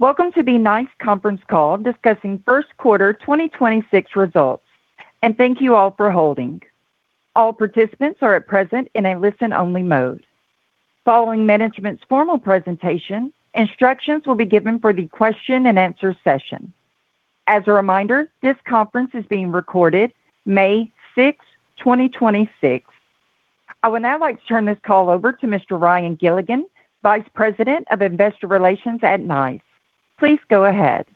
Welcome to the NICE conference call discussing first quarter 2026 results. And thank you all for holding. All participants are at present in a listen only mode. Following management's formal presentation, instructions will be given for the question and answer session. As a reminder this conference is being recorded May 6, 2026. I would now like to turn this call over to Mr. Ryan Gilligan, Vice President of Investor Relations at NICE. Please go ahead.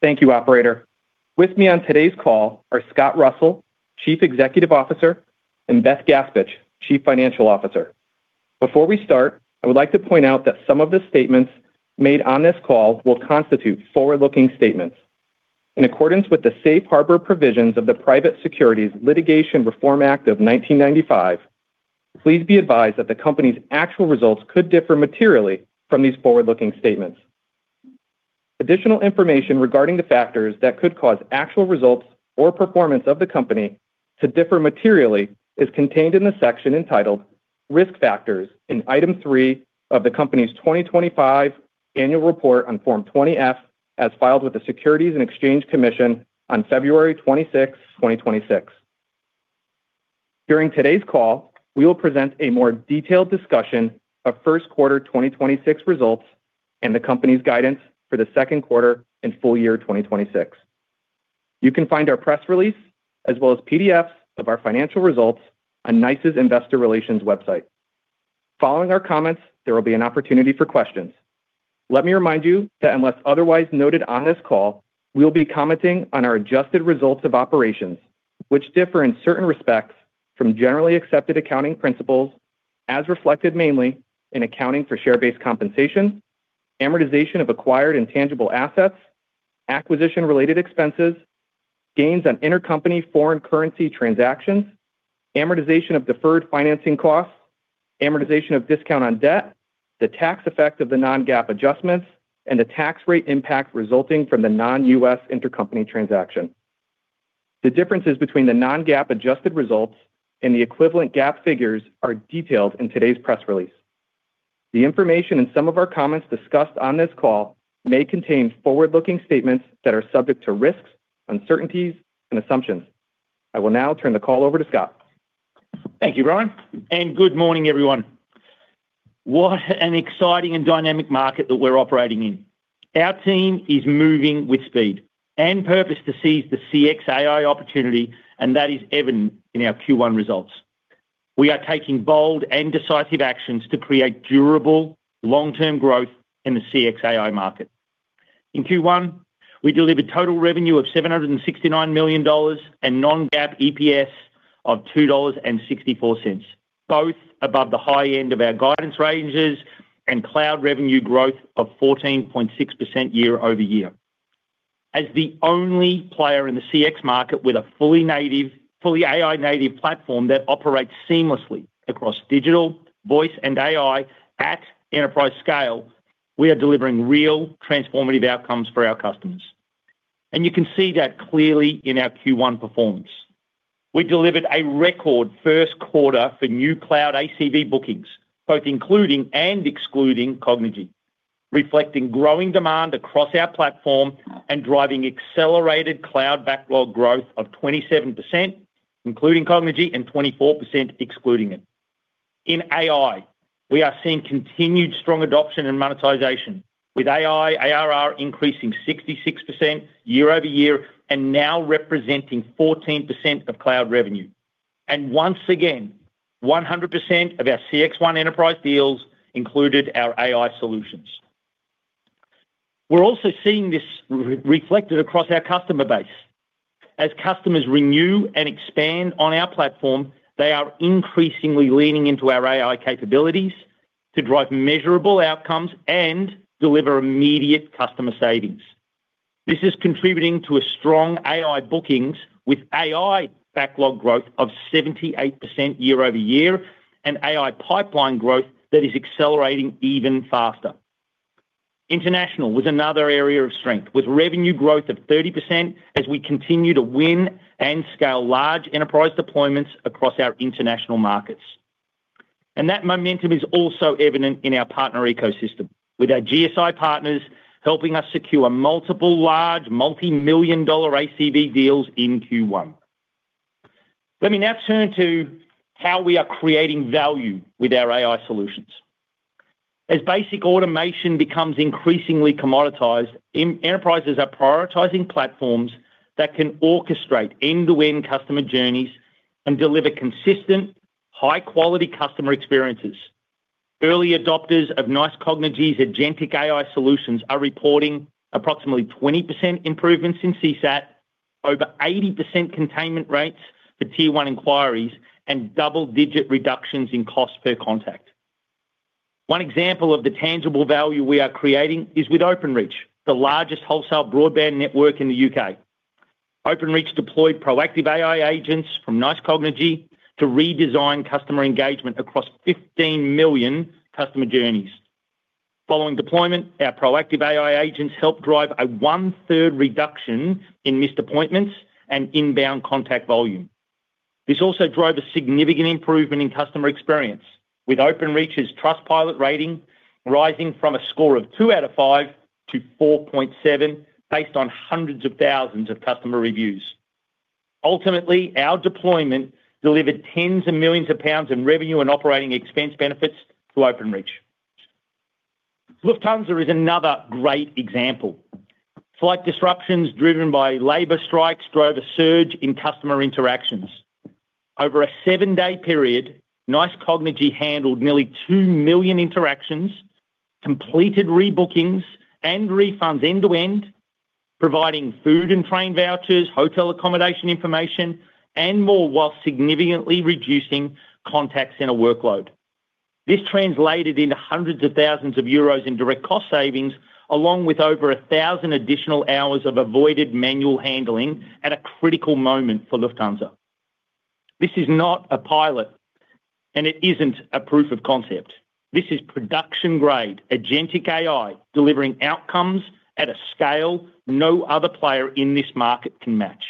Thank you, operator. With me on today's call are Scott Russell, Chief Executive Officer, and Beth Gaspich, Chief Financial Officer. Before we start, I would like to point out that some of the statements made on this call will constitute forward-looking statements. In accordance with the safe harbor provisions of the Private Securities Litigation Reform Act of 1995, please be advised that the company's actual results could differ materially from these forward-looking statements. Additional information regarding the factors that could cause actual results or performance of the company to differ materially is contained in the section entitled Risk Factors in Item 3 of the company's 2025 Annual Report on Form 20-F as filed with the Securities and Exchange Commission on February 26, 2026. During today's call, we will present a more detailed discussion of first quarter 2026 results and the company's guidance for the second quarter and full year 2026. You can find our press release as well as PDFs of our financial results on NICE's Investor Relations website. Following our comments, there will be an opportunity for questions. Let me remind you that unless otherwise noted on this call, we'll be commenting on our adjusted results of operations, which differ in certain respects from generally accepted accounting principles as reflected mainly in accounting for share-based compensation, amortization of acquired intangible assets, acquisition-related expenses, gains on intercompany foreign currency transactions, amortization of deferred financing costs, amortization of discount on debt, the tax effect of the non-GAAP adjustments, and the tax rate impact resulting from the non-U.S. intercompany transaction. The differences between the non-GAAP adjusted results and the equivalent GAAP figures are detailed in today's press release. The information in some of our comments discussed on this call may contain forward-looking statements that are subject to risks, uncertainties, and assumptions. I will now turn the call over to Scott. Thank you, Ryan, and good morning, everyone. What an exciting and dynamic market that we're operating in. Our team is moving with speed and purpose to seize the CXAi opportunity, and that is evident in our Q1 results. We are taking bold and decisive actions to create durable long-term growth in the CXAi market. In Q1, we delivered total revenue of $769 million and non-GAAP EPS of $2.64, both above the high end of our guidance ranges and cloud revenue growth of 14.6% year-over-year. As the only player in the CX market with a fully AI-native platform that operates seamlessly across digital, voice, and AI at enterprise scale, we are delivering real transformative outcomes for our customers. You can see that clearly in our Q1 performance. We delivered a record first quarter for new cloud ACV bookings, both including and excluding Cognigy, reflecting growing demand across our platform and driving accelerated cloud backlog growth of 27%, including Cognigy and 24% excluding it. In AI, we are seeing continued strong adoption and monetization with AI ARR increasing 66% year-over-year and now representing 14% of cloud revenue. Once again, 100% of our CXone enterprise deals included our AI solutions. We're also seeing this re-reflected across our customer base. As customers renew and expand on our platform, they are increasingly leaning into our AI capabilities to drive measurable outcomes and deliver immediate customer savings. This is contributing to a strong AI bookings with AI backlog growth of 78% year-over-year and AI pipeline growth that is accelerating even faster. International was another area of strength, with revenue growth of 30% as we continue to win and scale large enterprise deployments across our international markets. That momentum is also evident in our partner ecosystem, with our GSI partners helping us secure multiple large multi-million dollar ACV deals in Q1. Let me now turn to how we are creating value with our AI solutions. As basic automation becomes increasingly commoditized, enterprises are prioritizing platforms that can orchestrate end-to-end customer journeys and deliver consistent, high-quality customer experiences. Early adopters of NICE Cognigy's Agentic AI solutions are reporting approximately 20% improvements in CSAT, over 80% containment rates for tier one inquiries, and double-digit reductions in cost per contact. One example of the tangible value we are creating is with Openreach, the largest wholesale broadband network in the U.K. Openreach deployed proactive AI agents from NICE Cognigy to redesign customer engagement across 15 million customer journeys. Following deployment, our proactive AI agents helped drive a 1/3 reduction in missed appointments and inbound contact volume. This also drove a significant improvement in customer experience with Openreach's Trustpilot rating rising from a score of two out of five to 4.7 based on hundreds of thousands of customer reviews. Ultimately, our deployment delivered tens of millions of GBP in revenue and operating expense benefits to Openreach. Lufthansa is another great example. Flight disruptions driven by labor strikes drove a surge in customer interactions. Over a seven-day period, NICE Cognigy handled nearly 2 million interactions, completed rebookings and refunds end-to-end, providing food and train vouchers, hotel accommodation information and more, while significantly reducing contact center workload. This translated into hundreds of thousands of EUR in direct cost savings, along with over 1,000 additional hours of avoided manual handling at a critical moment for Lufthansa. This is not a pilot and it isn't a proof of concept. This is production-grade agentic AI delivering outcomes at a scale no other player in this market can match.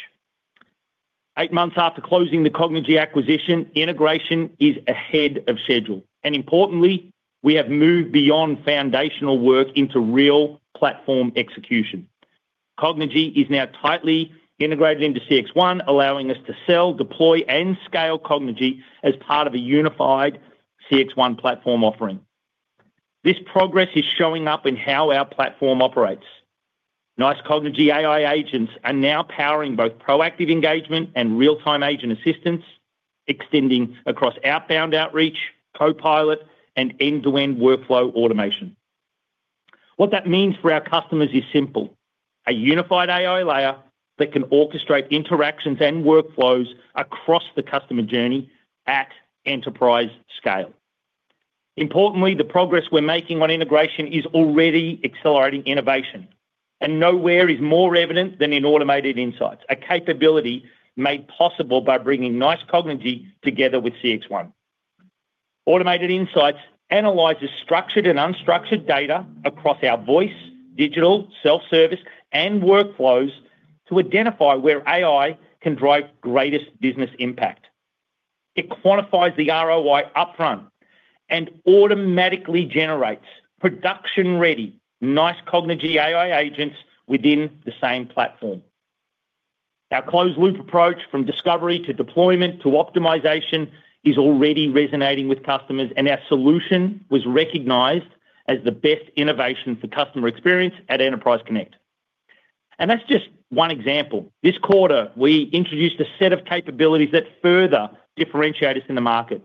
Eight months after closing the Cognigy acquisition, integration is ahead of schedule. Importantly, we have moved beyond foundational work into real platform execution. Cognigy is now tightly integrated into CXone, allowing us to sell, deploy and scale Cognigy as part of a unified CXone platform offering. This progress is showing up in how our platform operates. NICE Cognigy AI agents are now powering both proactive engagement and real time agent assistance, extending across outbound outreach, copilot and end-to-end workflow automation. What that means for our customers is simple, a unified AI layer that can orchestrate interactions and workflows across the customer journey at enterprise scale. Importantly, the progress we're making on integration is already accelerating innovation, and nowhere is more evident than in Automated Insights, a capability made possible by bringing NICE Cognigy together with CXone. Automated Insights analyzes structured and unstructured data across our voice, digital, self-service and workflows to identify where AI can drive greatest business impact. It quantifies the ROI upfront and automatically generates production-ready NICE Cognigy AI agents within the same platform. Our closed-loop approach from discovery to deployment to optimization is already resonating with customers. Our solution was recognized as the best innovation for customer experience at Enterprise Connect. That's just one example. This quarter, we introduced a set of capabilities that further differentiate us in the market,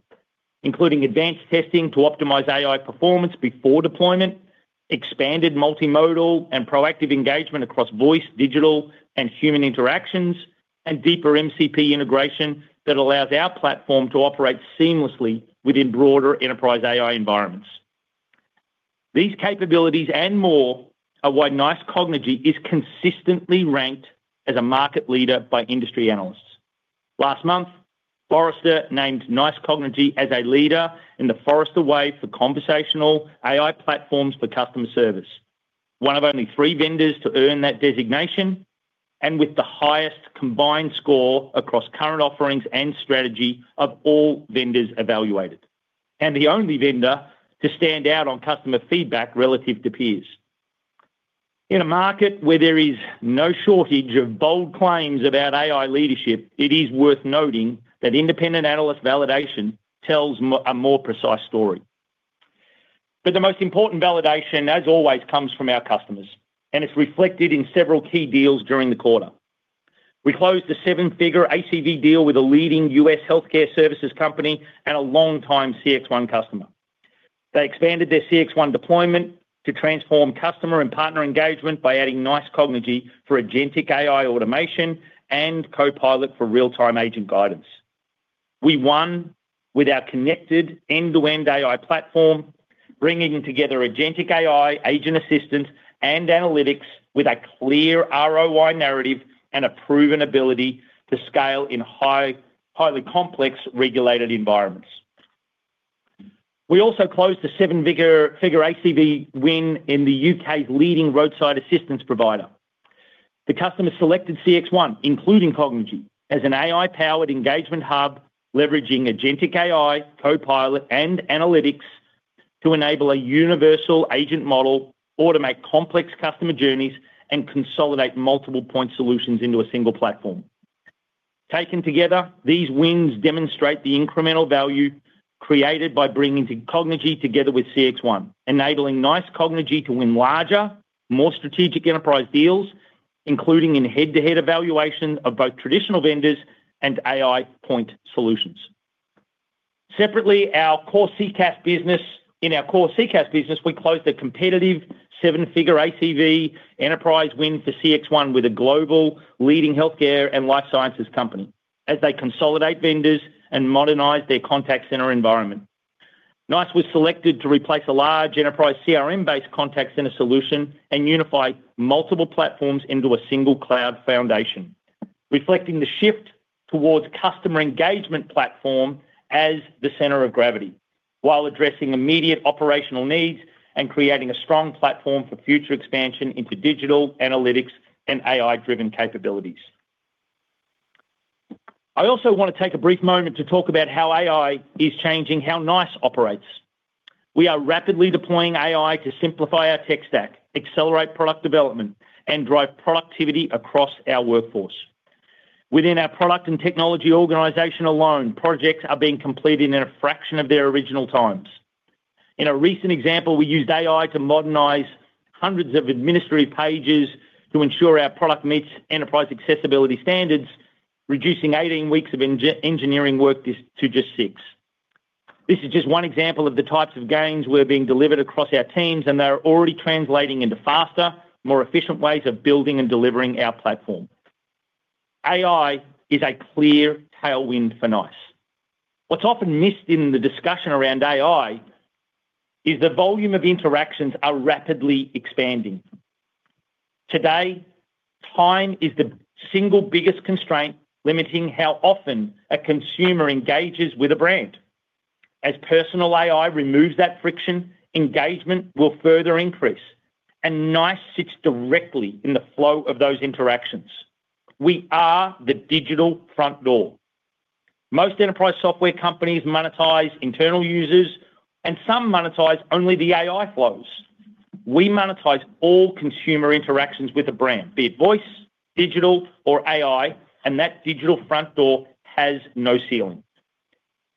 including advanced testing to optimize AI performance before deployment, expanded multimodal and proactive engagement across voice, digital and human interactions, and deeper MCP integration that allows our platform to operate seamlessly within broader enterprise AI environments. These capabilities and more are why NICE Cognigy is consistently ranked as a market leader by industry analysts. Last month, Forrester named NICE Cognigy as a leader in the Forrester Wave for conversational AI platforms for customer service. One of only three vendors to earn that designation, with the highest combined score across current offerings and strategy of all vendors evaluated. The only vendor to stand out on customer feedback relative to peers. In a market where there is no shortage of bold claims about AI leadership, it is worth noting that independent analyst validation tells a more precise story. The most important validation, as always, comes from our customers, and it's reflected in several key deals during the quarter. We closed a $7-figure ACV deal with a leading U.S. healthcare services company and a longtime CXone customer. They expanded their CXone deployment to transform customer and partner engagement by adding NICE Cognigy for agentic AI automation and Copilot for real-time agent guidance. We won with our connected end-to-end AI platform, bringing together agentic AI, agent assistance and analytics with a clear ROI narrative and a proven ability to scale in highly complex regulated environments. We also closed a $7-figure ACV win in the U.K.'s leading roadside assistance provider. The customer selected CXone, including Cognigy, as an AI-powered engagement hub, leveraging agentic AI, copilot and analytics to enable a universal agent model, automate complex customer journeys, and consolidate multiple point solutions into a single platform. Taken together, these wins demonstrate the incremental value created by bringing together Cognigy with CXone, enabling NICE Cognigy to win larger, more strategic enterprise deals, including in head-to-head evaluation of both traditional vendors and AI point solutions. In our core CCaaS business, we closed a competitive seven-figure ACV enterprise win for CXone with a global leading healthcare and life sciences company as they consolidate vendors and modernize their contact center environment. NICE was selected to replace a large enterprise CRM based contact center solution and unify multiple platforms into a single cloud foundation, reflecting the shift towards customer engagement platform as the center of gravity. While addressing immediate operational needs and creating a strong platform for future expansion into digital, analytics, and AI-driven capabilities. I also want to take a brief moment to talk about how AI is changing how NICE operates. We are rapidly deploying AI to simplify our tech stack, accelerate product development, and drive productivity across our workforce. Within our product and technology organization alone, projects are being completed in a fraction of their original times. In a recent example, we used AI to modernize hundreds of administrative pages to ensure our product meets enterprise accessibility standards, reducing 18 weeks of engineering work this, to just six. This is just one example of the types of gains we're being delivered across our teams, and they are already translating into faster, more efficient ways of building and delivering our platform. AI is a clear tailwind for NICE. What's often missed in the discussion around AI is the volume of interactions are rapidly expanding. Today, time is the single biggest constraint limiting how often a consumer engages with a brand. As personal AI removes that friction, engagement will further increase, and NICE sits directly in the flow of those interactions. We are the digital front door. Most enterprise software companies monetize internal users, and some monetize only the AI flows. We monetize all consumer interactions with a brand, be it voice, digital, or AI, and that digital front door has no ceiling.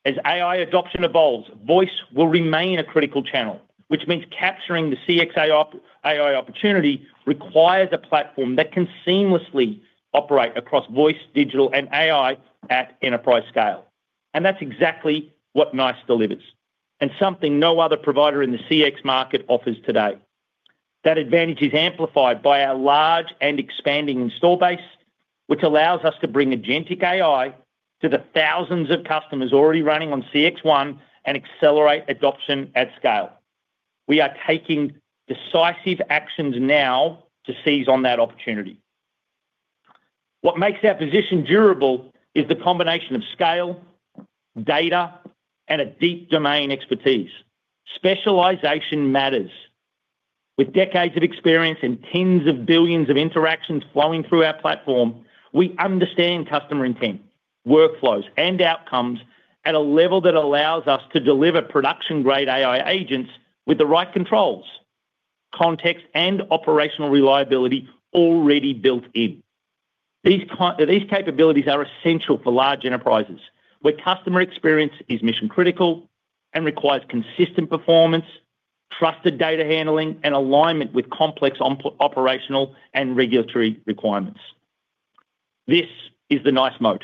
As AI adoption evolves, voice will remain a critical channel, which means capturing the CXAi opportunity requires a platform that can seamlessly operate across voice, digital, and AI at enterprise scale. That's exactly what NICE delivers, and something no other provider in the CX market offers today. That advantage is amplified by our large and expanding install base, which allows us to bring Agentic AI to the thousands of customers already running on CXone and accelerate adoption at scale. We are taking decisive actions now to seize on that opportunity. What makes our position durable is the combination of scale, data, and a deep domain expertise. Specialization matters. With decades of experience and tens of billions of interactions flowing through our platform, we understand customer intent, workflows, and outcomes at a level that allows us to deliver production-grade AI agents with the right controls, context, and operational reliability already built in. These capabilities are essential for large enterprises, where customer experience is mission-critical and requires consistent performance, trusted data handling, and alignment with complex operational and regulatory requirements. This is the NICE moat,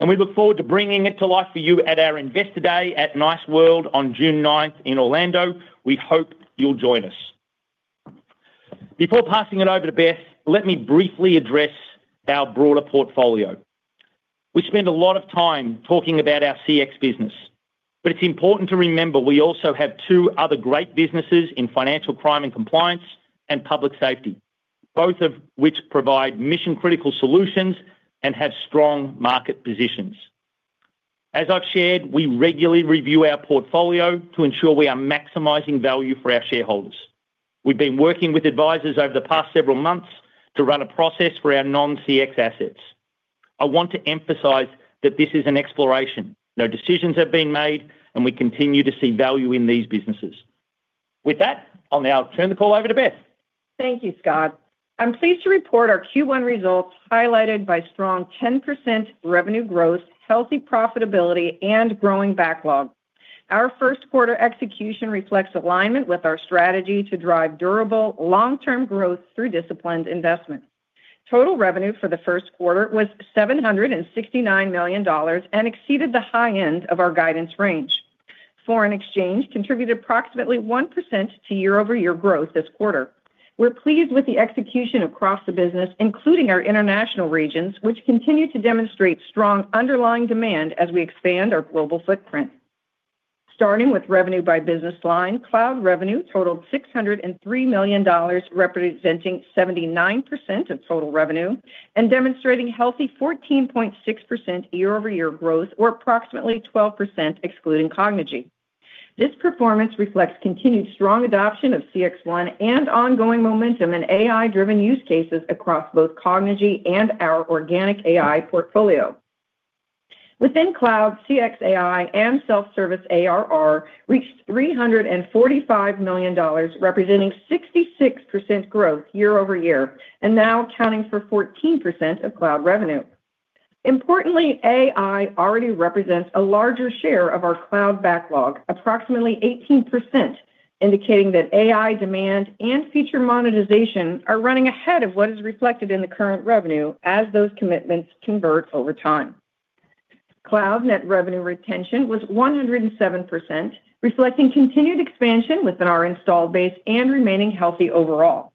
and we look forward to bringing it to life for you at our Investor Day at NICE World on June 9th in Orlando. We hope you'll join us. Before passing it over to Beth, let me briefly address our broader portfolio. We spend a lot of time talking about our CX business, but it's important to remember we also have two other great businesses in Financial Crime and Compliance and Public Safety, both of which provide mission-critical solutions and have strong market positions. As I've shared, we regularly review our portfolio to ensure we are maximizing value for our shareholders. We've been working with advisors over the past several months to run a process for our non-CX assets. I want to emphasize that this is an exploration. No decisions have been made, and we continue to see value in these businesses. With that, I'll now turn the call over to Beth. Thank you, Scott. I'm pleased to report our Q1 results highlighted by strong 10% revenue growth, healthy profitability, and growing backlog. Our first quarter execution reflects alignment with our strategy to drive durable long-term growth through disciplined investment. Total revenue for the first quarter was $769 million and exceeded the high end of our guidance range. Foreign exchange contributed approximately 1% to year-over-year growth this quarter. We're pleased with the execution across the business, including our international regions, which continue to demonstrate strong underlying demand as we expand our global footprint. Starting with revenue by business line, cloud revenue totaled $603 million, representing 79% of total revenue and demonstrating healthy 14.6% year-over-year growth or approximately 12% excluding Cognigy. This performance reflects continued strong adoption of CXone and ongoing momentum in AI-driven use cases across both Cognigy and our organic AI portfolio. Within cloud, CXAi and self-service ARR reached $345 million, representing 66% growth year-over-year and now accounting for 14% of cloud revenue. Importantly, AI already represents a larger share of our cloud backlog, approximately 18%, indicating that AI demand and future monetization are running ahead of what is reflected in the current revenue as those commitments convert over time. Cloud net revenue retention was 107%, reflecting continued expansion within our installed base and remaining healthy overall.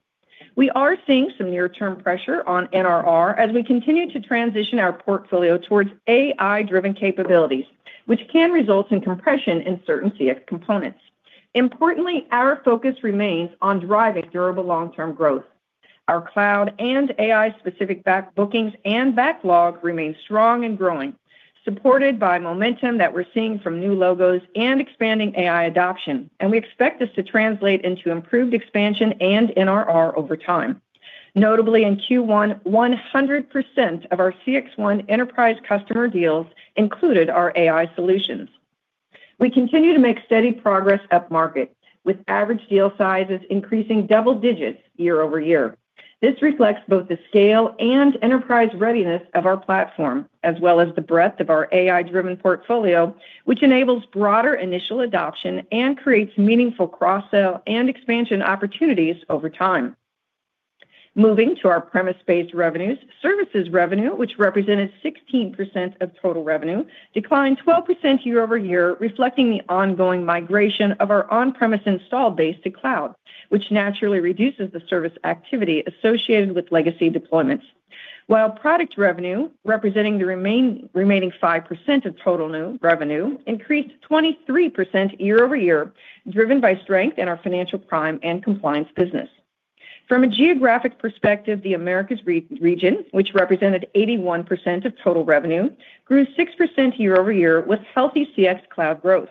We are seeing some near-term pressure on NRR as we continue to transition our portfolio towards AI-driven capabilities, which can result in compression in certain CX components. Importantly, our focus remains on driving durable long-term growth. Our cloud and AI specific back bookings and backlog remain strong and growing, supported by momentum that we're seeing from new logos and expanding AI adoption. We expect this to translate into improved expansion and NRR over time. Notably, in Q1, 100% of our CXone enterprise customer deals included our AI solutions. We continue to make steady progress up-market with average deal sizes increasing double digits year-over-year. This reflects both the scale and enterprise readiness of our platform, as well as the breadth of our AI-driven portfolio, which enables broader initial adoption and creates meaningful cross-sell and expansion opportunities over time. Moving to our premise-based revenues, services revenue, which represented 16% of total revenue, declined 12% year-over-year, reflecting the ongoing migration of our on-premise install base to cloud, which naturally reduces the service activity associated with legacy deployments. While product revenue, representing the remaining 5% of total new revenue, increased 23% year-over-year, driven by strength in our financial crime and compliance business. From a geographic perspective, the Americas region, which represented 81% of total revenue, grew 6% year-over-year with healthy CX cloud growth.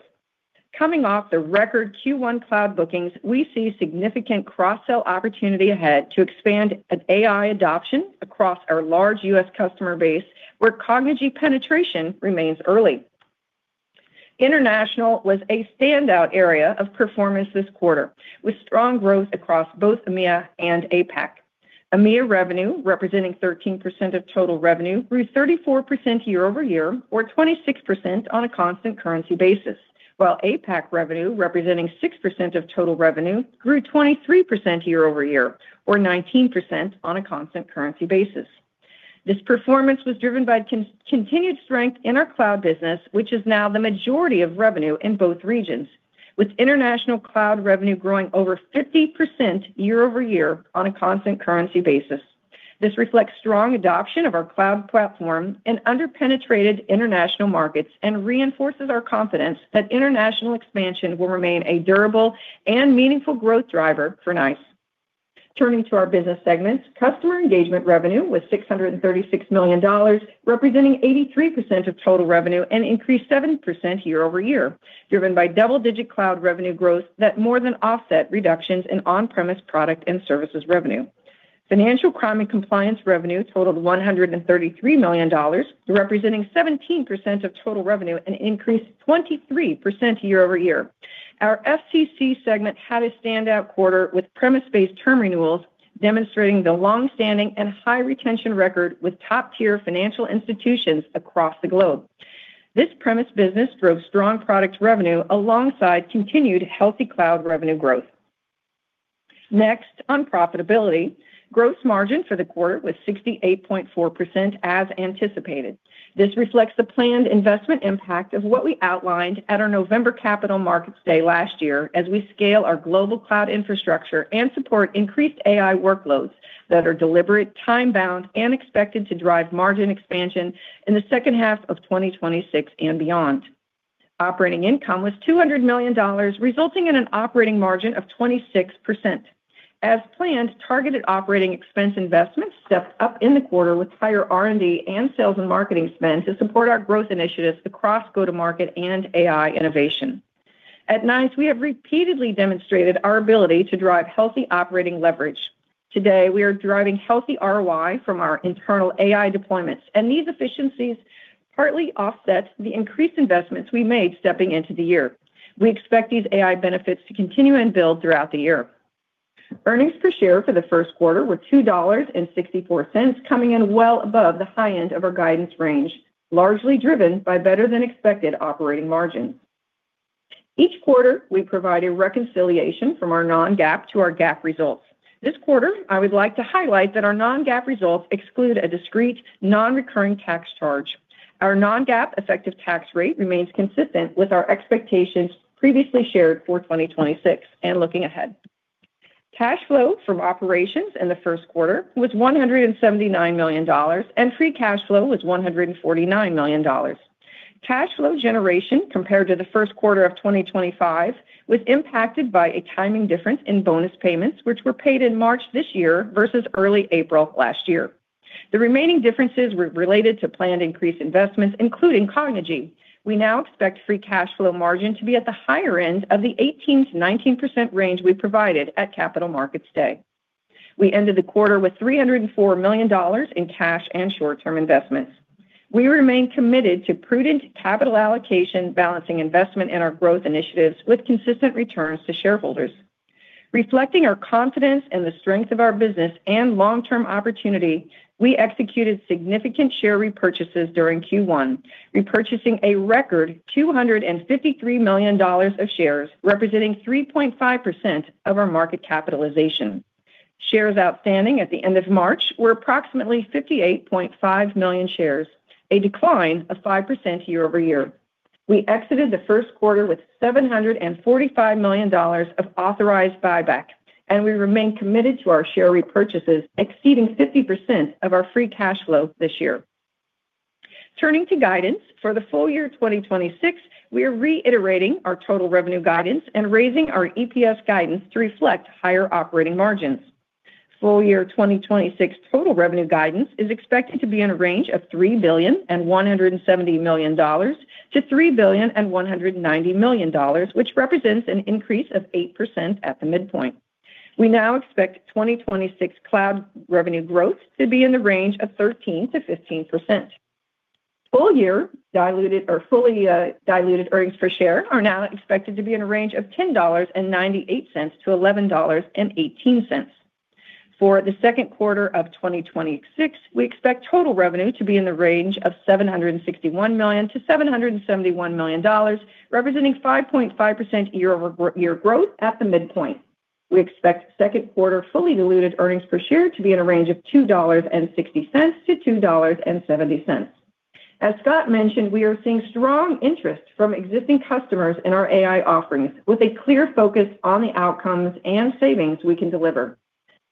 Coming off the record Q1 cloud bookings, we see significant cross-sell opportunity ahead to expand an AI adoption across our large US customer base where Cognigy penetration remains early. International was a standout area of performance this quarter, with strong growth across both EMEA and APAC. EMEA revenue, representing 13% of total revenue, grew 34% year-over-year, or 26% on a constant currency basis, while APAC revenue, representing 6% of total revenue, grew 23% year-over-year, or 19% on a constant currency basis. This performance was driven by continued strength in our cloud business, which is now the majority of revenue in both regions, with international cloud revenue growing over 50% year-over-year on a constant currency basis. This reflects strong adoption of our cloud platform in under-penetrated international markets and reinforces our confidence that international expansion will remain a durable and meaningful growth driver for NICE. Turning to our business segments, customer engagement revenue was $636 million, representing 83% of total revenue and increased 7% year-over-year, driven by double-digit cloud revenue growth that more than offset reductions in on-premise product and services revenue. Financial Crime and Compliance revenue totaled $133 million, representing 17% of total revenue and increased 23% year-over-year. Our FCC segment had a standout quarter with premise-based term renewals demonstrating the long-standing and high retention record with top-tier financial institutions across the globe. This premise business drove strong product revenue alongside continued healthy cloud revenue growth. Next, on profitability. Gross margin for the quarter was 68.4% as anticipated. This reflects the planned investment impact of what we outlined at our November Capital Markets Day last year as we scale our global cloud infrastructure and support increased AI workloads that are deliberate, time-bound, and expected to drive margin expansion in the second half of 2026 and beyond. Operating income was $200 million, resulting in an operating margin of 26%. As planned, targeted operating expense investments stepped up in the quarter with higher R&D and sales and marketing spend to support our growth initiatives across go-to-market and AI innovation. At NICE, we have repeatedly demonstrated our ability to drive healthy operating leverage. Today, we are driving healthy ROI from our internal AI deployments, and these efficiencies partly offset the increased investments we made stepping into the year. We expect these AI benefits to continue and build throughout the year. Earnings per share for the first quarter were $2.64, coming in well above the high end of our guidance range, largely driven by better than expected operating margin. Each quarter, we provide a reconciliation from our non-GAAP to our GAAP results. This quarter, I would like to highlight that our non-GAAP results exclude a discrete, non-recurring tax charge. Our non-GAAP effective tax rate remains consistent with our expectations previously shared for 2026 and looking ahead. Cash flow from operations in the first quarter was $179 million, and free cash flow was $149 million. Cash flow generation compared to the first quarter of 2025 was impacted by a timing difference in bonus payments, which were paid in March this year versus early April last year. The remaining differences were related to planned increased investments, including Cognigy. We now expect free cash flow margin to be at the higher end of the 18%-19% range we provided at Capital Markets Day. We ended the quarter with $304 million in cash and short-term investments. We remain committed to prudent capital allocation, balancing investment in our growth initiatives with consistent returns to shareholders. Reflecting our confidence in the strength of our business and long-term opportunity, we executed significant share repurchases during Q1, repurchasing a record $253 million of shares, representing 3.5% of our market capitalization. Shares outstanding at the end of March were approximately 58.5 million shares, a decline of 5% year-over-year. We exited the first quarter with $745 million of authorized buyback. We remain committed to our share repurchases exceeding 50% of our free cash flow this year. Turning to guidance for the full year 2026, we are reiterating our total revenue guidance and raising our EPS guidance to reflect higher operating margins. Full year 2026 total revenue guidance is expected to be in a range of $3.17 billion-$3.19 billion, which represents an increase of 8% at the midpoint. We now expect 2026 cloud revenue growth to be in the range of 13%-15%. Full year diluted or fully diluted earnings per share are now expected to be in a range of $10.98-$11.18. For the 2nd quarter of 2026, we expect total revenue to be in the range of $761 million-$771 million, representing 5.5% year-over-year growth at the midpoint. We expect 2nd quarter fully diluted EPS to be in a range of $2.60-$2.70. As Scott mentioned, we are seeing strong interest from existing customers in our AI offerings with a clear focus on the outcomes and savings we can deliver.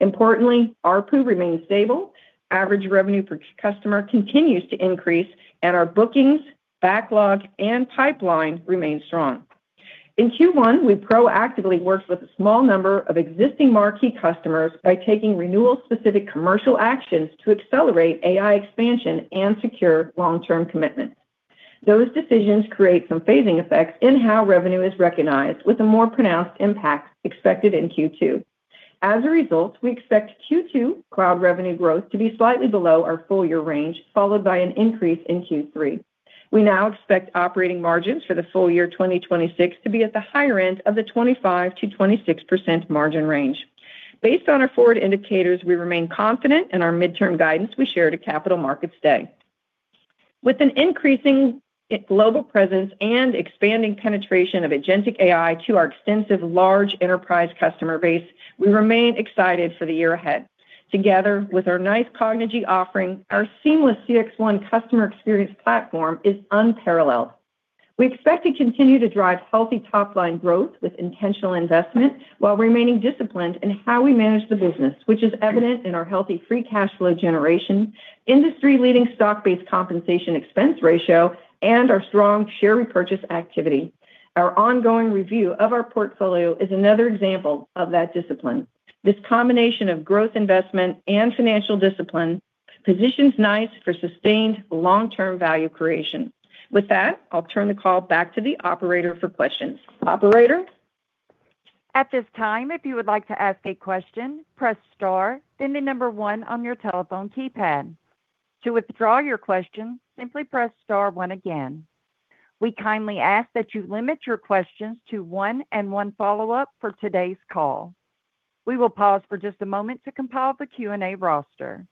Importantly, ARPU remains stable. Average revenue per customer continues to increase, and our bookings, backlog and pipeline remain strong. In Q1, we proactively worked with a small number of existing marquee customers by taking renewal-specific commercial actions to accelerate AI expansion and secure long-term commitment. Those decisions create some phasing effects in how revenue is recognized with a more pronounced impact expected in Q2. We expect Q2 cloud revenue growth to be slightly below our full year range, followed by an increase in Q3. We now expect operating margins for the full year 2026 to be at the higher end of the 25%-26% margin range. Based on our forward indicators, we remain confident in our midterm guidance we shared at Capital Markets Day. With an increasing global presence and expanding penetration of Agentic AI to our extensive large enterprise customer base, we remain excited for the year ahead. Together with our NICE Cognigy offering, our seamless CXone customer experience platform is unparalleled. We expect to continue to drive healthy top-line growth with intentional investment while remaining disciplined in how we manage the business, which is evident in our healthy free cash flow generation, industry-leading stock-based compensation expense ratio, and our strong share repurchase activity. Our ongoing review of our portfolio is another example of that discipline. This combination of growth investment and financial discipline positions NICE for sustained long-term value creation. With that, I'll turn the call back to the operator for questions. Operator? At this time if you would like to ask a question press star then the number one in your telephone keypad, to withdraw your question simply press star one again. We kindly ask that you limit your questions to one and 1 follow-up for today's call. We will pause for just a moment to compile the Q&A roster.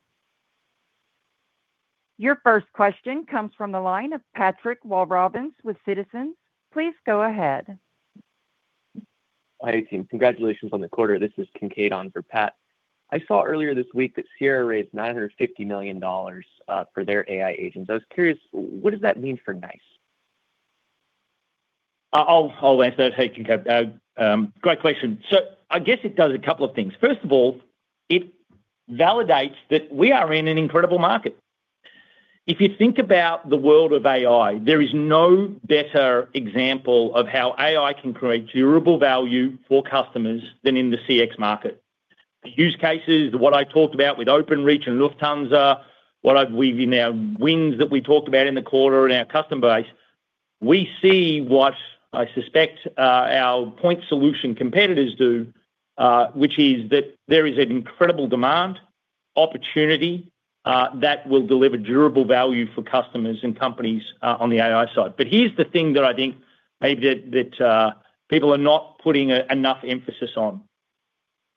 Your first question comes from the line of Patrick Walravens with Citizens. Please go ahead. Hi, team. Congratulations on the quarter. This is Kincaid on for Pat. I saw earlier this week that Sierra raised $950 million for their AI agents. I was curious, what does that mean for NICE? I'll answer that. Hey, Kincaid. Great question. I guess it does a couple of things. First of all, it validates that we are in an incredible market. If you think about the world of AI, there is no better example of how AI can create durable value for customers than in the CX market. The use cases, what I talked about with Openreach and Lufthansa, In our wins that we talked about in the quarter in our customer base, we see what I suspect our point solution competitors do, which is that there is an incredible demand opportunity that will deliver durable value for customers and companies on the AI side. Here's the thing that I think maybe that people are not putting enough emphasis on.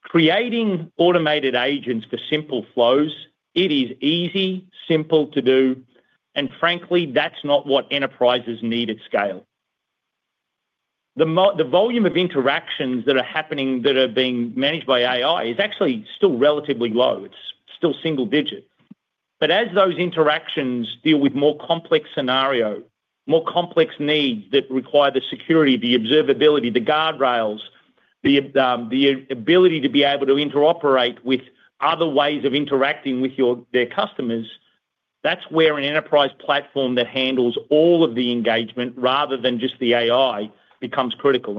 Creating automated agents for simple flows, it is easy, simple to do, and frankly, that's not what enterprises need at scale. The volume of interactions that are happening, that are being managed by AI is actually still relatively low. It's still single digit. As those interactions deal with more complex scenario, more complex needs that require the security, the observability, the guardrails, the ability to be able to interoperate with other ways of interacting with your their customers, that's where an enterprise platform that handles all of the engagement rather than just the AI becomes critical.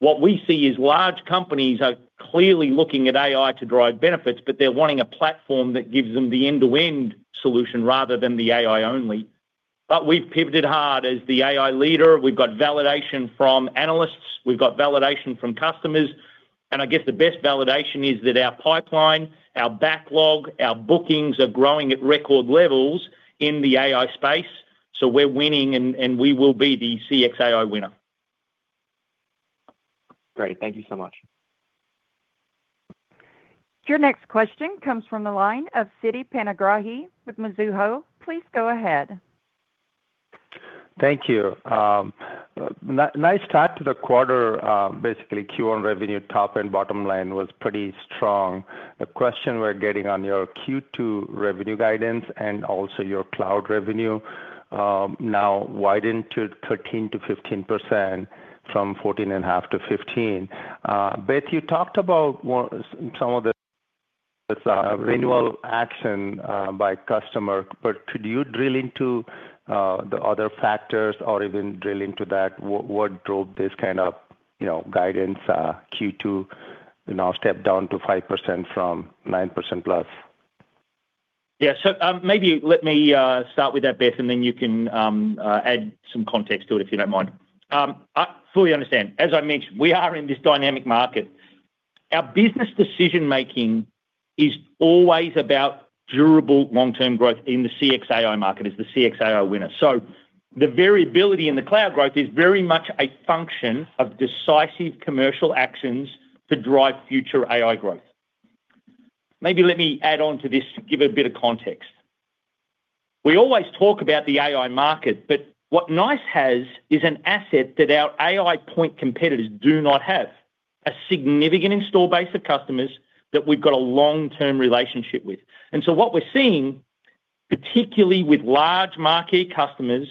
What we see is large companies are clearly looking at AI to drive benefits, but they're wanting a platform that gives them the end-to-end solution rather than the AI only. We've pivoted hard as the AI leader. We've got validation from analysts. We've got validation from customers. I guess the best validation is that our pipeline, our backlog, our bookings are growing at record levels in the AI space. We're winning and we will be the CXAI winner. Great. Thank you so much. Your next question comes from the line of Siti Panigrahi with Mizuho. Please go ahead. Thank you. Nice start to the quarter. Basically Q1 revenue top and bottom line was pretty strong. The question we're getting on your Q2 revenue guidance and also your cloud revenue, now widened to 13%-15% from 14.5%-15%. Beth, you talked about. It's a renewal action by customer. Could you drill into the other factors or even drill into that, what drove this kind of, you know, guidance, Q2, you know, step down to 5% from 9%+? Yeah. Maybe let me start with that, Beth, and then you can add some context to it, if you don't mind. I fully understand. As I mentioned, we are in this dynamic market. Our business decision-making is always about durable long-term growth in the CXAI market as the CXAI winner. The variability in the cloud growth is very much a function of decisive commercial actions to drive future AI growth. Maybe let me add on to this to give a bit of context. We always talk about the AI market, what NICE has is an asset that our AI point competitors do not have, a significant install base of customers that we've got a long-term relationship with. What we're seeing, particularly with large marquee customers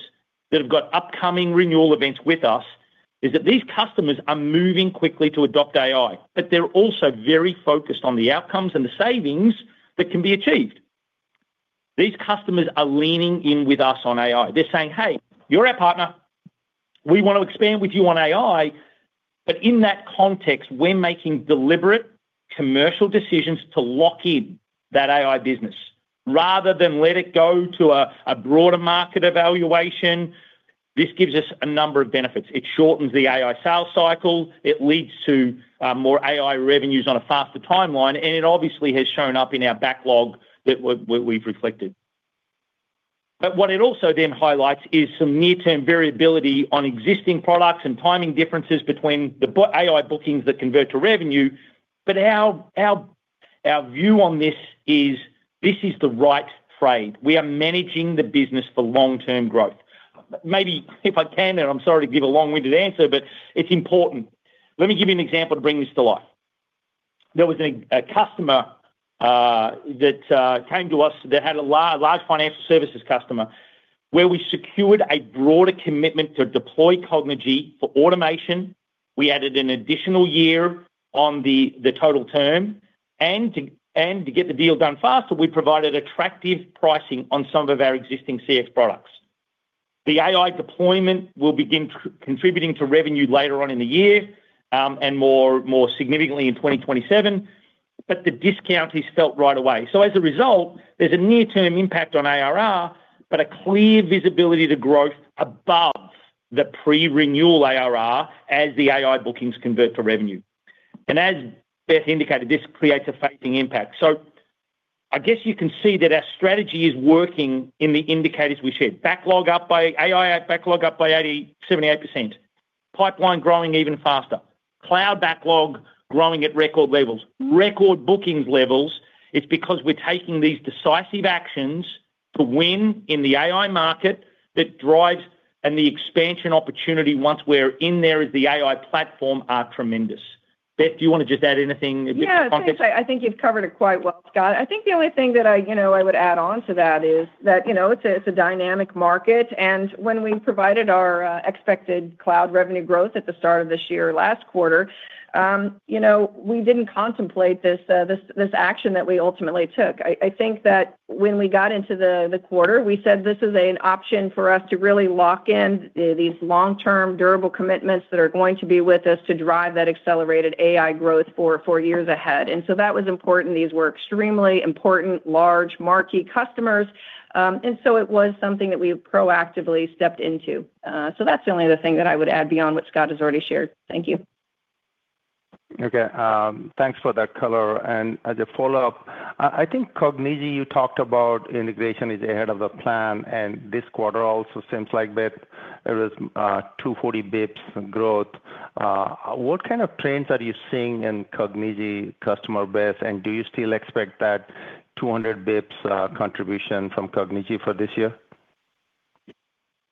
that have got upcoming renewal events with us, is that these customers are moving quickly to adopt AI, but they're also very focused on the outcomes and the savings that can be achieved. These customers are leaning in with us on AI. They're saying, "Hey, you're our partner. We want to expand with you on AI." In that context, we're making deliberate commercial decisions to lock in that AI business rather than let it go to a broader market evaluation. This gives us a number of benefits. It shortens the AI sales cycle, it leads to more AI revenues on a faster timeline, and it obviously has shown up in our backlog that we've reflected. What it also then highlights is some near-term variability on existing products and timing differences between AI bookings that convert to revenue. Our view on this is this is the right trade. We are managing the business for long-term growth. Maybe if I can, and I'm sorry to give a long-winded answer, but it's important. Let me give you an example to bring this to life. There was a customer that came to us that had a large financial services customer, where we secured a broader commitment to deploy Cognigy for automation. We added an additional year on the total term, and to get the deal done faster, we provided attractive pricing on some of our existing CX products. The AI deployment will begin contributing to revenue later on in the year, and more significantly in 2027, but the discount is felt right away. There's a near-term impact on ARR, but a clear visibility to growth above the pre-renewal ARR as the AI bookings convert to revenue. As Beth indicated, this creates [affecting] impact. I guess you can see that our strategy is working in the indicators we shared. Backlog up by AI backlog up by 78%. Pipeline growing even faster. Cloud backlog growing at record levels. Record bookings levels. It's because we're taking these decisive actions to win in the AI market. The expansion opportunity once we're in there as the AI platform are tremendous. Beth, do you wanna just add anything, a bit of context? Yeah. I think you've covered it quite well, Scott. I think the only thing that I, you know, I would add on to that is that, you know, it's a dynamic market, when we provided our expected cloud revenue growth at the start of this year last quarter, you know, we didn't contemplate this action that we ultimately took. I think that when we got into the quarter, we said this is an option for us to really lock in these long-term durable commitments that are going to be with us to drive that accelerated AI growth for years ahead. That was important. These were extremely important large marquee customers. It was something that we proactively stepped into. That's the only other thing that I would add beyond what Scott has already shared. Thank you. Okay. Thanks for that color. As a follow-up, I think Cognigy, you talked about integration is ahead of the plan, and this quarter also seems like that. There is 240 basis points growth. What kind of trends are you seeing in Cognigy customer base, and do you still expect that 200 basis points contribution from Cognigy for this year?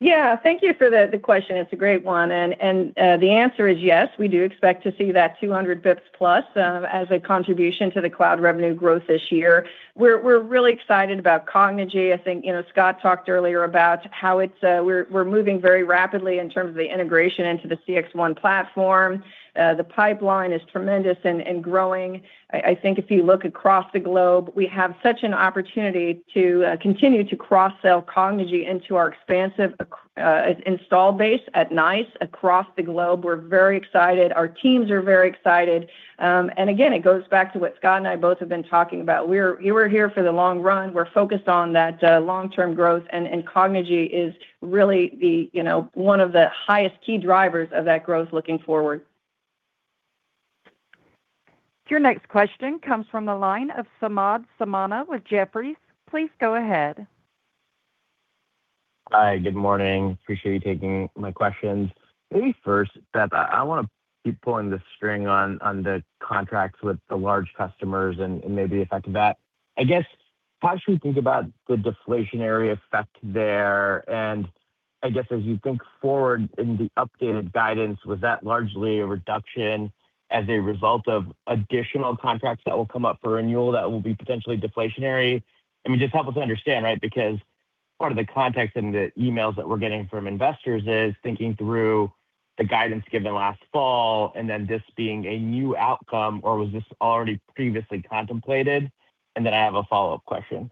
Yeah. Thank you for the question. It's a great one. The answer is yes, we do expect to see that 200 BPS plus as a contribution to the cloud revenue growth this year. We're really excited about Cognigy. I think, you know, Scott talked earlier about how it's, we're moving very rapidly in terms of the integration into the CXone platform. The pipeline is tremendous and growing. I think if you look across the globe, we have such an opportunity to continue to cross-sell Cognigy into our expansive install base at NICE across the globe. We're very excited. Our teams are very excited. Again, it goes back to what Scott and I both have been talking about. We're here for the long run. We're focused on that, long-term growth and Cognigy is really the, you know, one of the highest key drivers of that growth looking forward. Your next question comes from the line of Samad Samana with Jefferies. Please go ahead. Hi. Good morning. Appreciate you taking my questions. Maybe first, Beth, I wanna keep pulling the string on the contracts with the large customers and maybe the effect of that. I guess, how should we think about the deflationary effect there? I guess as you think forward in the updated guidance, was that largely a reduction as a result of additional contracts that will come up for renewal that will be potentially deflationary? I mean, just help us understand, right? Part of the context in the emails that we're getting from investors is thinking through the guidance given last fall, and then this being a new outcome, or was this already previously contemplated? I have a follow-up question.